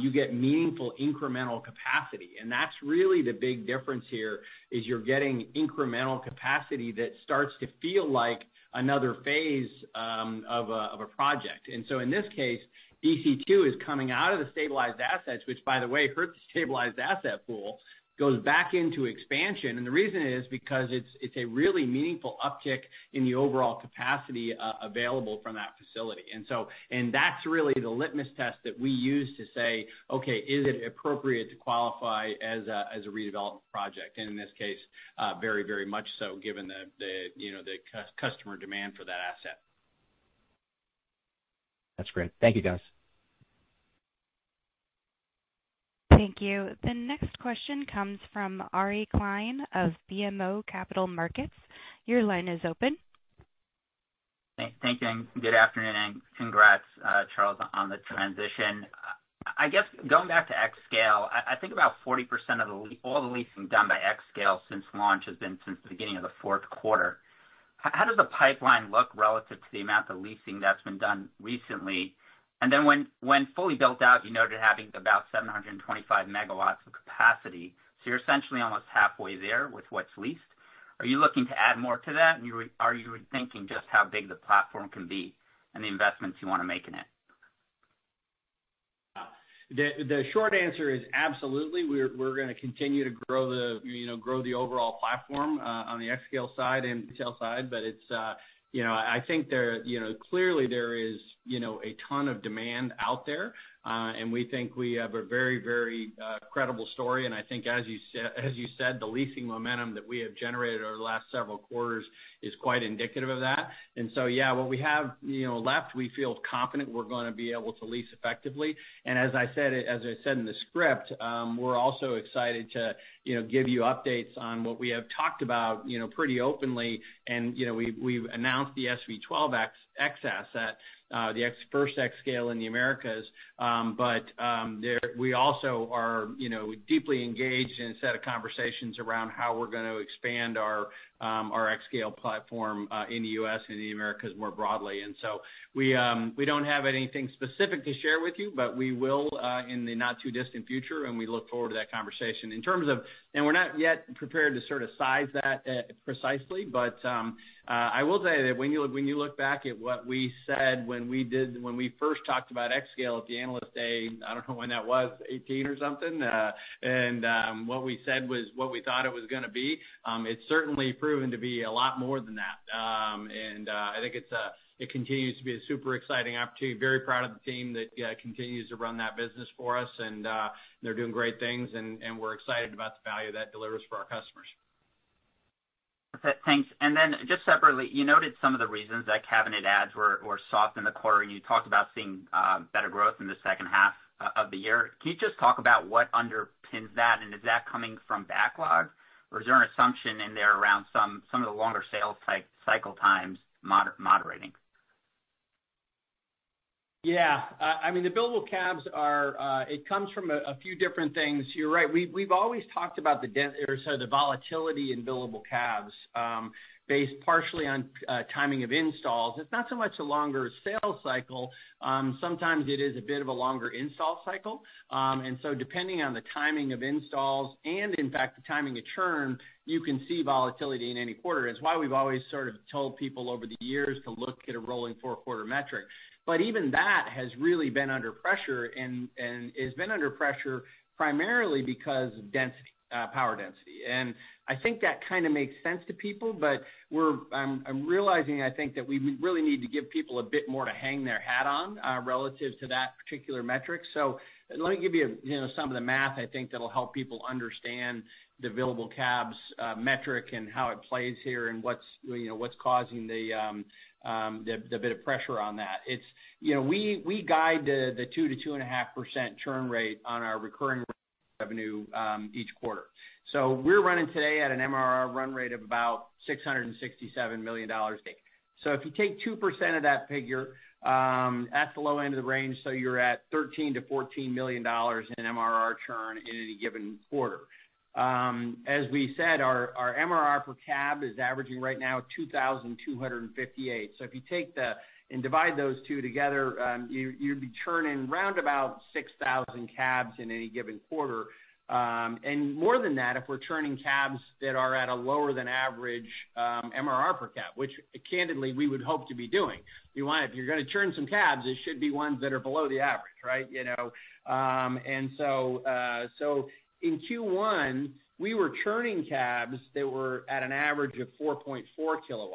you get meaningful incremental capacity. And that's really the big difference here, is you're getting incremental capacity that starts to feel like another phase of a project. And so in this case, DC2 is coming out of the stabilized assets, which, by the way, hurt the stabilized asset pool, goes back into expansion. And the reason is because it's a really meaningful uptick in the overall capacity available from that facility. And so that's really the litmus test that we use to say, "Okay, is it appropriate to qualify as a redevelopment project?" And in this case, very, very much so, given the you know, the customer demand for that asset. That's great. Thank you, guys. Thank you. The next question comes from Aryeh Klein of BMO Capital Markets. Your line is open. Thank you. And good afternoon. And congrats, Charles, on the transition. I guess going back to xScale, I think about 40% of the all the leasing done by xScale since launch has been since the beginning of the fourth quarter. How does the pipeline look relative to the amount of leasing that's been done recently? And then when, when fully built out, you noted having about 725 megawatts of capacity. So you're essentially almost halfway there with what's leased. Are you looking to add more to that? And are you thinking just how big the platform can be and the investments you want to make in it? The, the short answer is absolutely. We're, we're going to continue to grow the, you know, grow the overall platform, on the xScale side and retail side. But it's, you know, I think there you know, clearly, there is, you know, a ton of demand out there. We think we have a very, very credible story. And I think, as you said, the leasing momentum that we have generated over the last several quarters is quite indicative of that. And so, yeah, what we have, you know, left, we feel confident we're going to be able to lease effectively. And as I said in the script, we're also excited to, you know, give you updates on what we have talked about, you know, pretty openly. And, you know, we've announced the SV12X asset, the first xScale in the Americas. But there we also are, you know, deeply engaged in a set of conversations around how we're going to expand our xScale platform in the U.S. and in the Americas more broadly. And so we don't have anything specific to share with you, but we will, in the not-too-distant future. And we look forward to that conversation in terms of and we're not yet prepared to sort of size that, precisely. But, I will say that when you look back at what we said when we first talked about xScale at the analyst day - I don't know when that was, 2018 or something - and, what we said was what we thought it was going to be, it's certainly proven to be a lot more than that. And, I think it continues to be a super exciting opportunity. Very proud of the team that continues to run that business for us. And, they're doing great things. And we're excited about the value that delivers for our customers. Perfect. Thanks. And then just separately, you noted some of the reasons that cabinet adds were soft in the quarter. And you talked about seeing better growth in the second half of the year. Can you just talk about what underpins that? And is that coming from backlog, or is there an assumption in there around some of the longer sales cycle times moderating? Yeah. I mean, the billablecabs, it comes from a few different things. You're right. We've always talked about the, or sorry, the volatility in billablecabs, based partially on timing of installs. It's not so much a longer sales cycle. Sometimes, it is a bit of a longer install cycle. And so depending on the timing of installs and, in fact, the timing of churn, you can see volatility in any quarter. It's why we've always sort of told people over the years to look at a rolling four-quarter metric. But even that has really been under pressure and has been under pressure primarily because of density, power density. And I think that kind of makes sense to people. But, I'm realizing, I think, that we really need to give people a bit more to hang their hat on, relative to that particular metric. So let me give you, you know, some of the math, I think, that'll help people understand the billablecabs metric and how it plays here and what's, you know, what's causing the bit of pressure on that. It's, you know, we guide the 2%-2.5% churn rate on our recurring revenue each quarter. So we're running today at an MRR run rate of about $667 million a day. So if you take 2% of that figure, that's the low end of the range. So you're at $13-$14 million in MRR churn in any given quarter. As we said, our MRR percab is averaging right now $2,258. So if you take the and divide those two together, you'd be churning round about 6,000cabs in any given quarter. And more than that, if we're churningcabs that are at a lower-than-average MRR percab, which, candidly, we would hope to be doing. You want to if you're going to churn somecabs, it should be ones that are below the average, right? You know, and so, so in Q1, we were churningcabs that were at an average of 4.4 kW.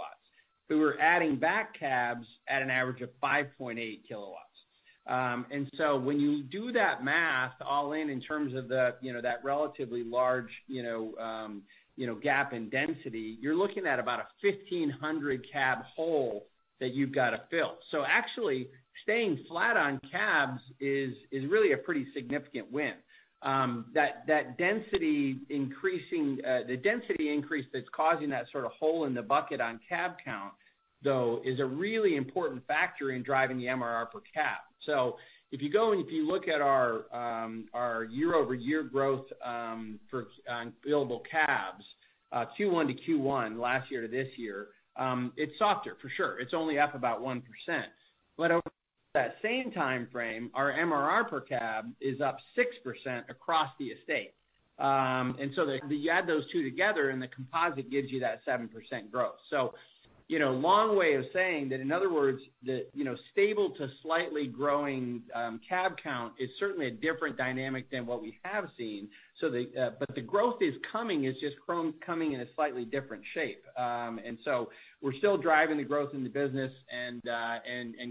We were adding backcabs at an average of 5.8 kW. And so when you do that math all in in terms of the, you know, that relatively large, you know, you know, gap in density, you're looking at about a 1,500-CAB hole that you've got to fill. So actually, staying flat oncabs is, is really a pretty significant win. That, that density increasing the density increase that's causing that sort of hole in the bucket oncab count, though, is a really important factor in driving the MRR percab. So if you go and if you look at our, our year-over-year growth, for on billablecabs, Q1 to Q1, last year to this year, it's softer, for sure. It's only up about 1%. But over that same time frame, our MRR percab is up 6% across the estate. You add those two together, and the composite gives you that 7% growth. So, you know, long way of saying that, in other words, you know, stable to slightly growingcab count is certainly a different dynamic than what we have seen. So, but the growth is coming. It's just coming in a slightly different shape. So we're still driving the growth in the business and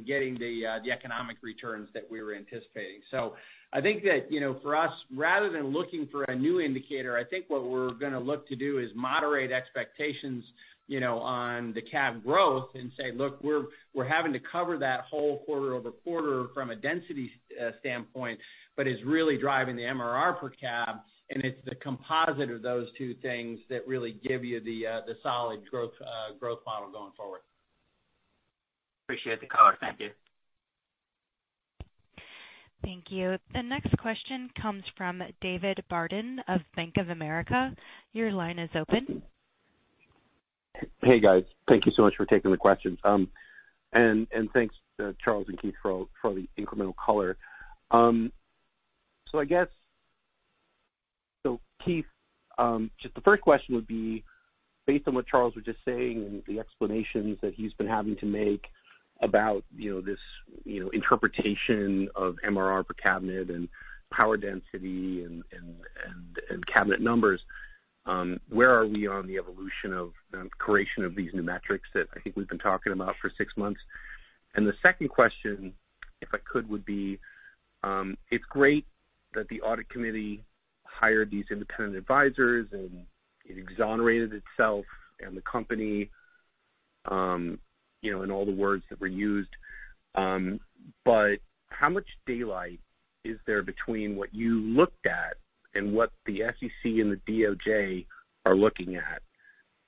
getting the economic returns that we were anticipating. So I think that, you know, for us, rather than looking for a new indicator, I think what we're going to look to do is moderate expectations, you know, on thecab growth and say, "Look, we're having to cover that whole quarter-over-quarter from a density standpoint, but it's really driving the MRR percab. And it's the composite of those two things that really give you the solid growth model going forward. Appreciate the color. Thank you. Thank you. The next question comes from David Barden of Bank of America. Your line is open. Hey, guys. Thank you so much for taking the questions. And thanks, Charles and Keith, for the incremental color. So I guess, Keith, just the first question would be, based on what Charles was just saying and the explanations that he's been having to make about, you know, this, you know, interpretation of MRR per cabinet and power density and cabinet numbers, where are we on the evolution of the creation of these new metrics that I think we've been talking about for six months? The second question, if I could, would be, it's great that the audit committee hired these independent advisors, and it exonerated itself and the company, you know, in all the words that were used. But how much daylight is there between what you looked at and what the SEC and the DOJ are looking at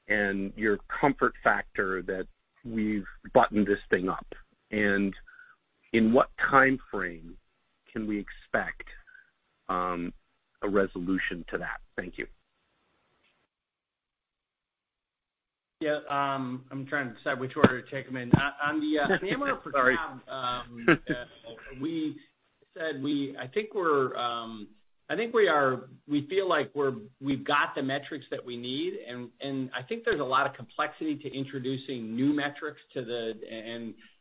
and your comfort factor that we've buttoned this thing up? And in what time frame can we expect a resolution to that? Thank you. Yeah. I'm trying to decide which order to take them in. On the, sorry, the MRR percab, we said. I think we're. I think we are. We feel like we've got the metrics that we need. And I think there's a lot of complexity to introducing new metrics,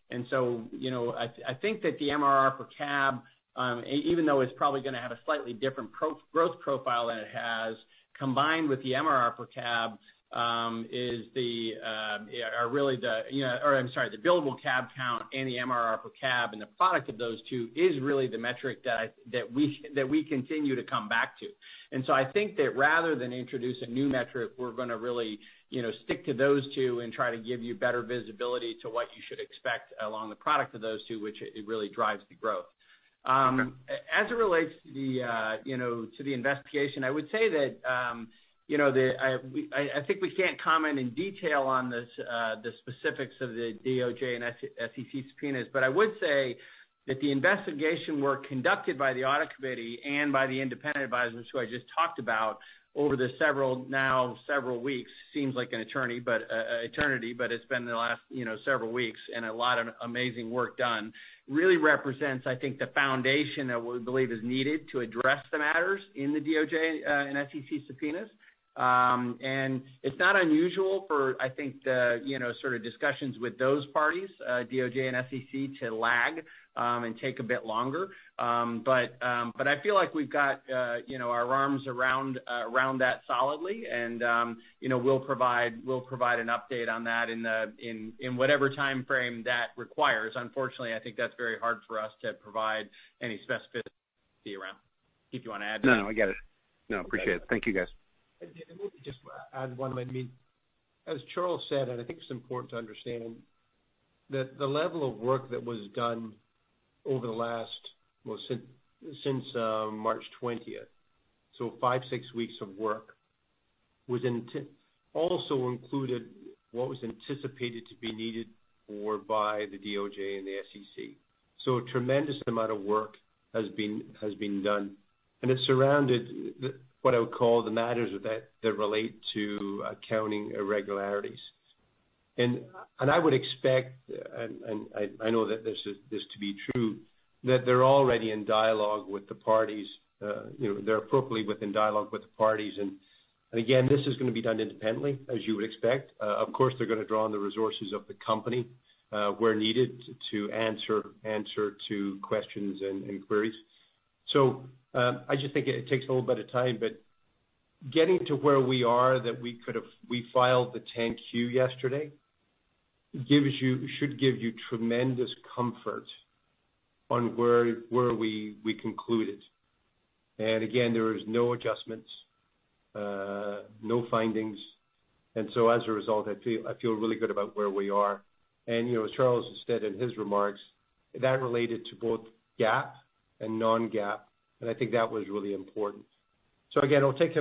and so, you know, I think that the MRR percab, even though it's probably going to have a slightly different growth profile than it has, combined with the MRR percab, is the, are really the you know, or I'm sorry, the billablecab count and the MRR percab and the product of those two is really the metric that we continue to come back to. And so I think that rather than introduce a new metric, we're going to really, you know, stick to those two and try to give you better visibility to what you should expect along the product of those two, which really drives the growth. As it relates to the, you know, to the investigation, I would say that, you know, the—I think we can't comment in detail on this, the specifics of the DOJ and SEC subpoenas. But I would say that the investigation work conducted by the audit committee and by the independent advisors who I just talked about over the several now several weeks seems like an eternity. But it's been the last, you know, several weeks. And a lot of amazing work done really represents, I think, the foundation that we believe is needed to address the matters in the DOJ and SEC subpoenas. And it's not unusual for, I think, the, you know, sort of discussions with those parties, DOJ and SEC, to lag, and take a bit longer. But I feel like we've got, you know, our arms around that solidly. You know, we'll provide an update on that in whatever time frame that requires. Unfortunately, I think that's very hard for us to provide any specifics around. Keith, you want to add to that? No, no. I get it. No, appreciate it. Thank you, guys. David, let me just add one minute. As Charles said, and I think it's important to understand, that the level of work that was done over the last well, since March 20th, so 5-6 weeks of work, was also included what was anticipated to be needed for by the DOJ and the SEC. So a tremendous amount of work has been done. And it surrounded what I would call the matters that relate to accounting irregularities. And I would expect, and I know that this is to be true, that they're already in dialogue with the parties. You know, they're appropriately within dialogue with the parties. And again, this is going to be done independently, as you would expect. Of course, they're going to draw on the resources of the company, where needed to answer to questions and queries. So, I just think it takes a little bit of time. But getting to where we are, that we could have filed the 10-Q yesterday, gives you—should give you tremendous comfort on where we concluded. And again, there was no adjustments, no findings. And so as a result, I feel really good about where we are. And, you know, as Charles said in his remarks, that related to both GAAP and non-GAAP. I think that was really important. So again, it'll take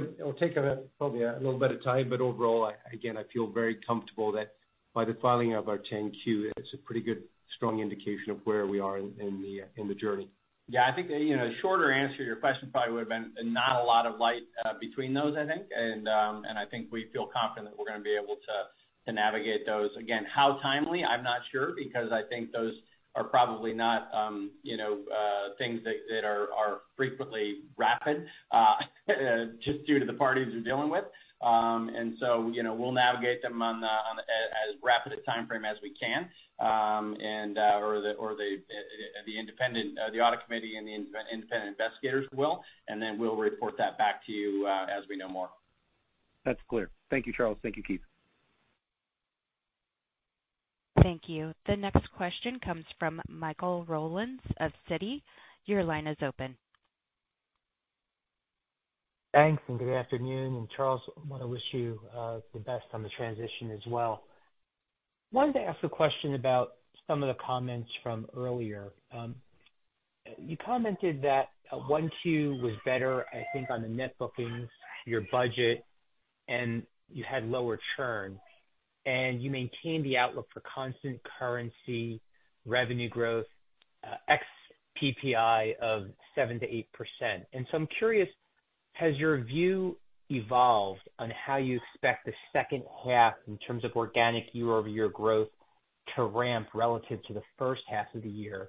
probably a little bit of time. But overall, I again, I feel very comfortable that by the filing of our 10-Q, it's a pretty good, strong indication of where we are in the journey. Yeah. I think, you know, a shorter answer to your question probably would have been not a lot of light between those, I think. And I think we feel confident that we're going to be able to navigate those. Again, how timely, I'm not sure because I think those are probably not, you know, things that are frequently rapid, just due to the parties we're dealing with. And so, you know, we'll navigate them on the as rapid a time frame as we can. the independent audit committee and the independent investigators will. And then we'll report that back to you, as we know more. That's clear. Thank you, Charles. Thank you, Keith. Thank you. The next question comes from Michael Rollins of Citi. Your line is open. Thanks. And good afternoon. And Charles, I want to wish you the best on the transition as well. I wanted to ask a question about some of the comments from earlier. You commented that 1Q was better, I think, on the net bookings, your budget, and you had lower churn. And you maintained the outlook for constant currency revenue growth, ex-PPI of 7%-8%. And so I'm curious, has your view evolved on how you expect the second half, in terms of organic year-over-year growth, to ramp relative to the first half of the year?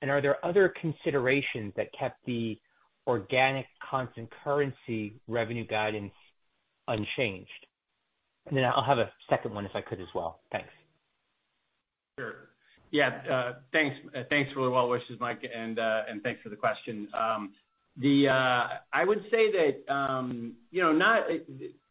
And are there other considerations that kept the organic constant currency revenue guidance unchanged? And then I'll have a second one, if I could, as well. Thanks. Sure. Yeah. Thanks. Thanks for the well-wishes, Mike. And thanks for the question. I would say that, you know, not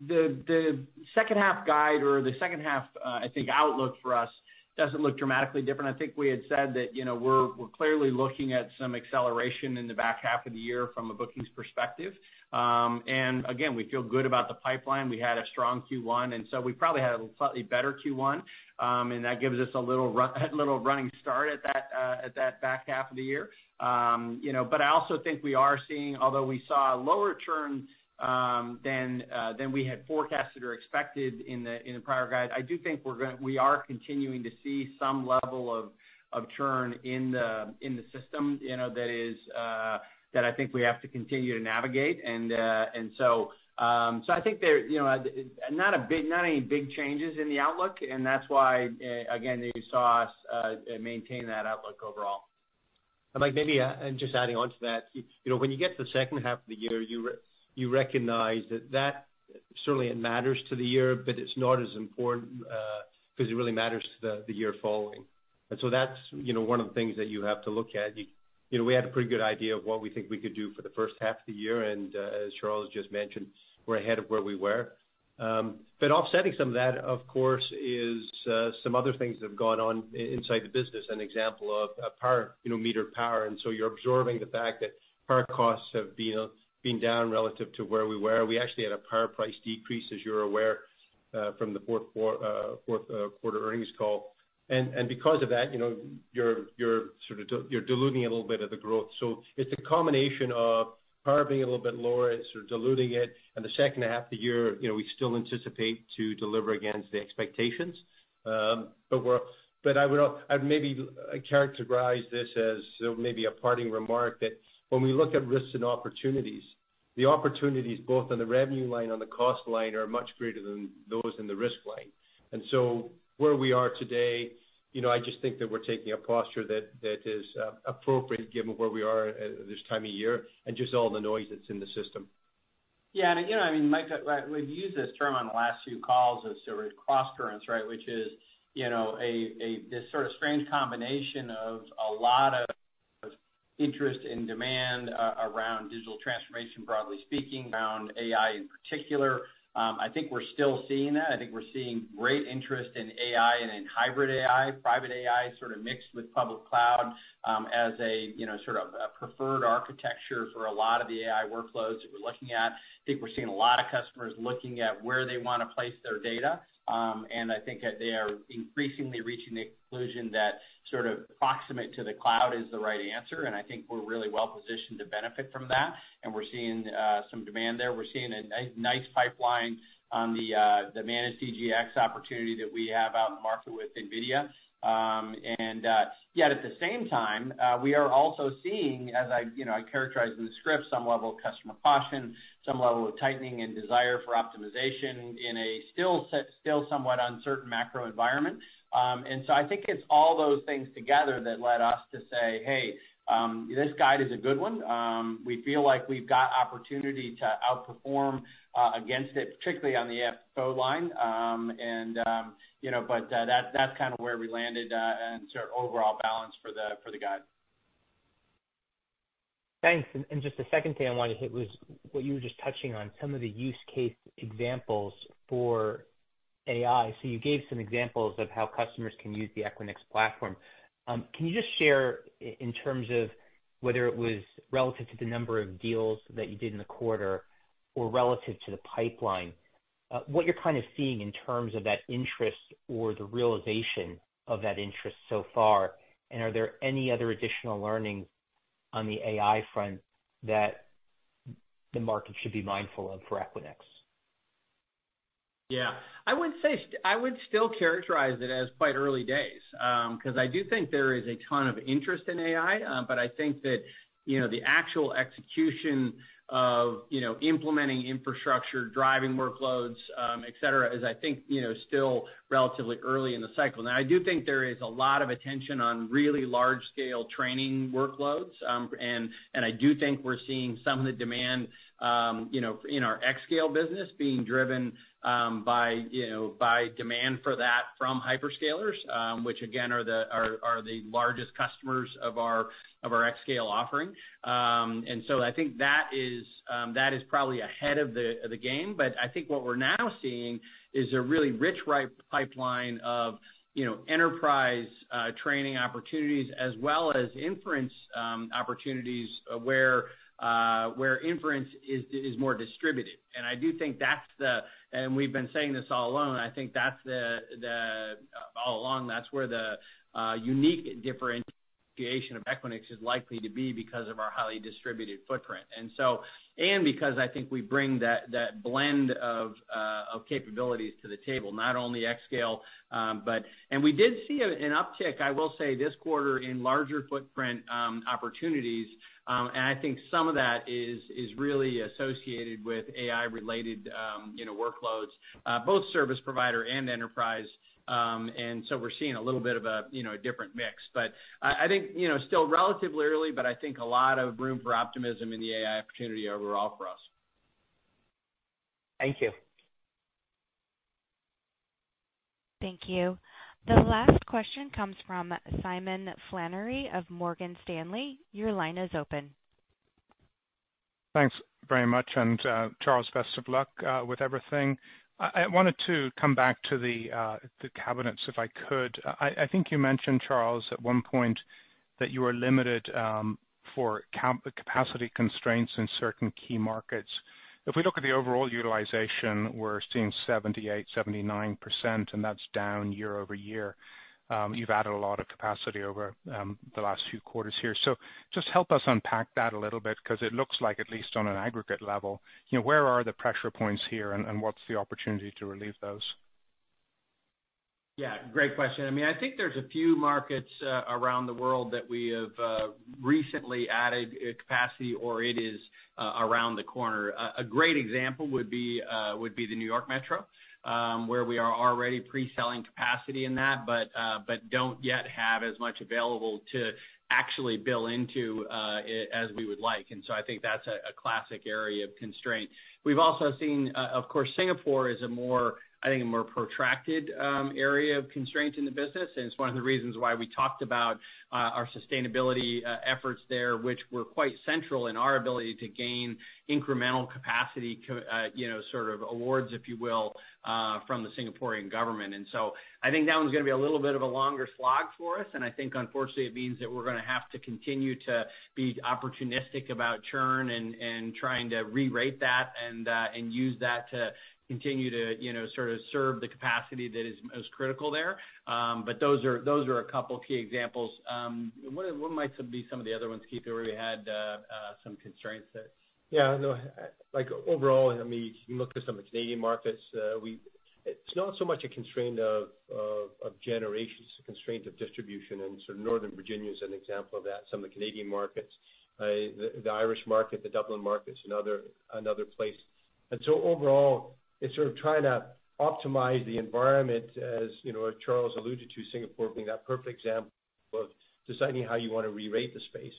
the second half guide or the second half, I think, outlook for us doesn't look dramatically different. I think we had said that, you know, we're clearly looking at some acceleration in the back half of the year from a bookings perspective. And again, we feel good about the pipeline. We had a strong Q1. And so we probably had a slightly better Q1. And that gives us a little running start at that back half of the year. You know, but I also think we are seeing, although we saw lower churn than we had forecasted or expected in the prior guide, I do think we're going to continue to see some level of churn in the system, you know, that is, I think we have to continue to navigate. And so I think there, you know, not any big changes in the outlook. And that's why, again, you saw us maintain that outlook overall. And, Mike, maybe just adding on to that, you know, when you get to the second half of the year, you recognize that certainly it matters to the year. But it's not as important, because it really matters to the year following. And so that's, you know, one of the things that you have to look at. You know, we had a pretty good idea of what we think we could do for the first half of the year. And, as Charles just mentioned, we're ahead of where we were. But offsetting some of that, of course, is some other things that have gone on inside the business, an example of power, you know, metered power. And so you're observing the fact that power costs have been down relative to where we were. We actually had a power price decrease, as you're aware, from the fourth quarter earnings call. And because of that, you know, you're sort of diluting a little bit of the growth. So it's a combination of power being a little bit lower. It's sort of diluting it. And the second half of the year, you know, we still anticipate to deliver against the expectations. But I would maybe characterize this as maybe a parting remark that when we look at risks and opportunities, the opportunities, both on the revenue line, on the cost line, are much greater than those in the risk line. And so where we are today, you know, I just think that we're taking a posture that is appropriate, given where we are at this time of year and just all the noise that's in the system. Yeah. And, you know, I mean, Mike, we've used this term on the last few calls as sort of cross-currents, right, which is, you know, a this sort of strange combination of a lot of interest and demand around digital transformation, broadly speaking. Around AI in particular. I think we're still seeing that. I think we're seeing great interest in AI and in hybrid AI, private AI sort of mixed with public cloud, as a, you know, sort of a preferred architecture for a lot of the AI workloads that we're looking at. I think we're seeing a lot of customers looking at where they want to place their data. I think that they are increasingly reaching the conclusion that sort of proximate to the cloud is the right answer. I think we're really well-positioned to benefit from that. We're seeing some demand there. We're seeing a nice pipeline on the managed DGX opportunity that we have out in the market with NVIDIA. And yet at the same time, we are also seeing, as I, you know, I characterize in the script, some level of customer caution, some level of tightening and desire for optimization in a still somewhat uncertain macro environment. And so I think it's all those things together that led us to say, "Hey, this guide is a good one. We feel like we've got opportunity to outperform against it, particularly on the FFO line." And, you know, but that's kind of where we landed, and sort of overall balance for the guide. Thanks. And just a second thing I wanted to hit was what you were just touching on, some of the use case examples for AI. So you gave some examples of how customers can use the Equinix platform. Can you just share, in terms of whether it was relative to the number of deals that you did in the quarter or relative to the pipeline, what you're kind of seeing in terms of that interest or the realization of that interest so far? And are there any other additional learnings on the AI front that the market should be mindful of for Equinix? Yeah. I would say I would still characterize it as quite early days, because I do think there is a ton of interest in AI. But I think that, you know, the actual execution of, you know, implementing infrastructure, driving workloads, etc., is, I think, you know, still relatively early in the cycle. Now, I do think there is a lot of attention on really large-scale training workloads. I do think we're seeing some of the demand, you know, in our xScale business being driven by, you know, by demand for that from hyperscalers, which, again, are the largest customers of our xScale offering. So I think that is probably ahead of the game. But I think what we're now seeing is a really rich, ripe pipeline of, you know, enterprise training opportunities as well as inference opportunities where inference is more distributed. And I do think that's the, and we've been saying this all along. I think that's the all along, that's where the unique differentiation of Equinix is likely to be because of our highly distributed footprint. And so, because I think we bring that, that blend of, of capabilities to the table, not only xScale, but and we did see an uptick, I will say, this quarter in larger footprint opportunities. And I think some of that is, is really associated with AI-related, you know, workloads, both service provider and enterprise. And so we're seeing a little bit of a, you know, a different mix. But I, I think, you know, still relatively early. But I think a lot of room for optimism in the AI opportunity overall for us. Thank you. Thank you. The last question comes from Simon Flannery of Morgan Stanley. Your line is open. Thanks very much. And, Charles, best of luck with everything. I, I wanted to come back to the, the cabinets, if I could. I think you mentioned, Charles, at one point that you were limited for capacity constraints in certain key markets. If we look at the overall utilization, we're seeing 78%-79%. And that's down year-over-year. You've added a lot of capacity over the last few quarters here. So just help us unpack that a little bit because it looks like, at least on an aggregate level, you know, where are the pressure points here? And what's the opportunity to relieve those? Yeah. Great question. I mean, I think there's a few markets around the world that we have recently added capacity or it is around the corner. A great example would be the New York Metro, where we are already preselling capacity in that but don't yet have as much available to actually bill into as we would like. So I think that's a classic area of constraint. We've also seen, of course, Singapore is a more, I think, a more protracted area of constraints in the business. It's one of the reasons why we talked about our sustainability efforts there, which were quite central in our ability to gain incremental capacity, you know, sort of awards, if you will, from the Singaporean government. So I think that one's going to be a little bit of a longer slog for us. I think, unfortunately, it means that we're going to have to continue to be opportunistic about churn and trying to re-rate that and use that to continue to, you know, sort of serve the capacity that is most critical there. But those are a couple key examples. What might be some of the other ones, Keith, where we had some constraints? Yeah. No. Like, overall, I mean, you can look at some of the Canadian markets. We, it's not so much a constraint of generation. It's a constraint of distribution. And sort of Northern Virginia is an example of that, some of the Canadian markets, the Irish market, the Dublin markets, and another place. And so overall, it's sort of trying to optimize the environment, as you know, as Charles alluded to, Singapore being that perfect example of deciding how you want to re-rate the space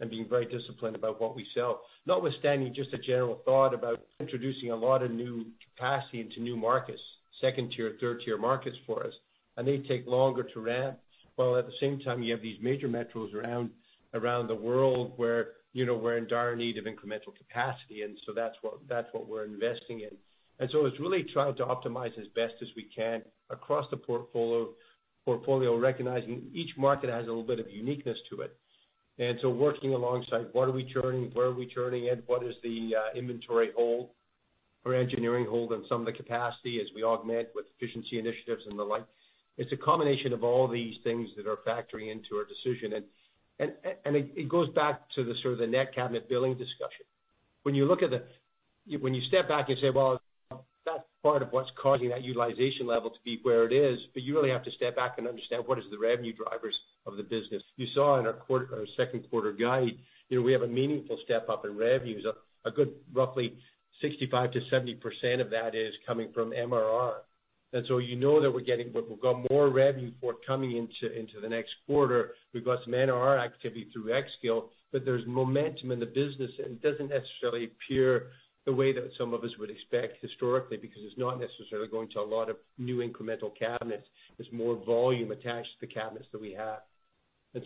and being very disciplined about what we sell, notwithstanding just a general thought about introducing a lot of new capacity into new markets, second tier, third tier markets for us. And they take longer to ramp. While at the same time, you have these major metros around the world where, you know, we're in dire need of incremental capacity. And so that's what we're investing in. And so it's really trying to optimize as best as we can across the portfolio, recognizing each market has a little bit of uniqueness to it. And so working alongside, what are we churning? Where are we churning? And what is the inventory hold or engineering hold on some of the capacity as we augment with efficiency initiatives and the like? It's a combination of all these things that are factoring into our decision. And it goes back to the sort of the net cabinet billing discussion. When you look at, when you step back and say, "Well, that's part of what's causing that utilization level to be where it is," but you really have to step back and understand, what are the revenue drivers of the business? You saw in our second quarter guide, you know, we have a meaningful step up in revenues. A good roughly 65%-70% of that is coming from MRR. And so you know that we've got more revenue forthcoming into the next quarter. We've got some MRR activity through xScale. But there's momentum in the business. And it doesn't necessarily appear the way that some of us would expect historically because it's not necessarily going to a lot of new incremental cabinets. It's more volume attached to the cabinets that we have.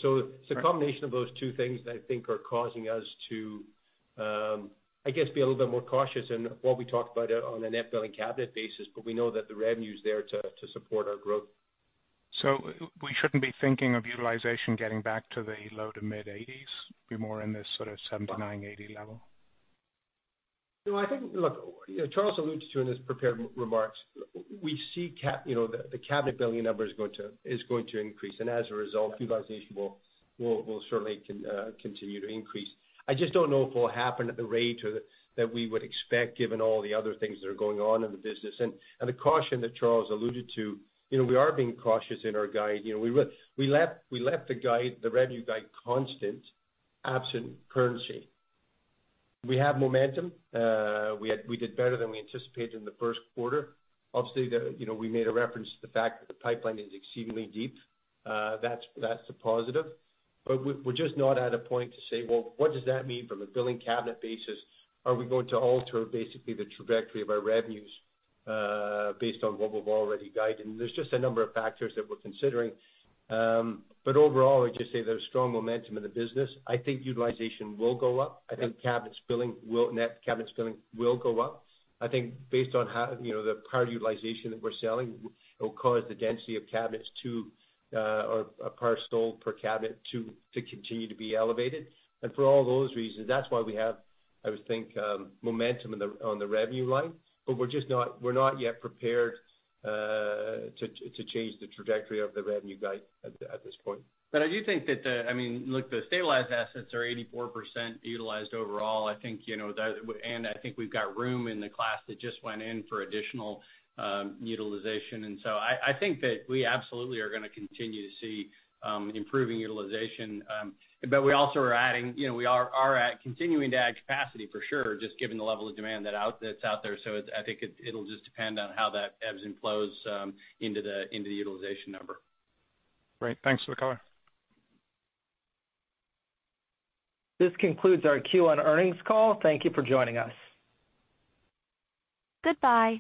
So it's a combination of those two things that I think are causing us to, I guess, be a little bit more cautious in what we talked about on a net billing cabinet basis. But we know that the revenue is there to support our growth. So we shouldn't be thinking of utilization getting back to the low- to mid-80s? Be more in this sort of 79-80 level? No. I think, look, you know, Charles alluded to in his prepared remarks. We see, you know, the cabinet billing number is going to increase. And as a result, utilization will certainly continue to increase. I just don't know if it'll happen at the rate that we would expect, given all the other things that are going on in the business. The caution that Charles alluded to, you know, we are being cautious in our guide. You know, we really left the guide, the revenue guide, constant, absent currency. We have momentum. We did better than we anticipated in the first quarter. Obviously, you know, we made a reference to the fact that the pipeline is exceedingly deep. That's a positive. But we're just not at a point to say, "Well, what does that mean from a billing cabinet basis? Are we going to alter, basically, the trajectory of our revenues, based on what we've already guided?" There's just a number of factors that we're considering. But overall, I'd just say there's strong momentum in the business. I think utilization will go up. I think net cabinets billing will go up. I think based on how, you know, the power utilization that we're selling, it'll cause the density of cabinets to, or per sold per cabinet to continue to be elevated. And for all those reasons, that's why we have, I would think, momentum in the revenue line. But we're just not yet prepared to change the trajectory of the revenue guide at this point. But I do think that the—I mean, look—the stabilized assets are 84% utilized overall. I think, you know, that and I think we've got room in the class that just went in for additional utilization. And so I think that we absolutely are going to continue to see improving utilization. But we also are adding, you know, we are continuing to add capacity, for sure, just given the level of demand that's out there. So it's, I think it'll just depend on how that ebbs and flows into the utilization number. Great. Thanks for the color. This concludes our Q1 earnings call. Thank you for joining us. Goodbye.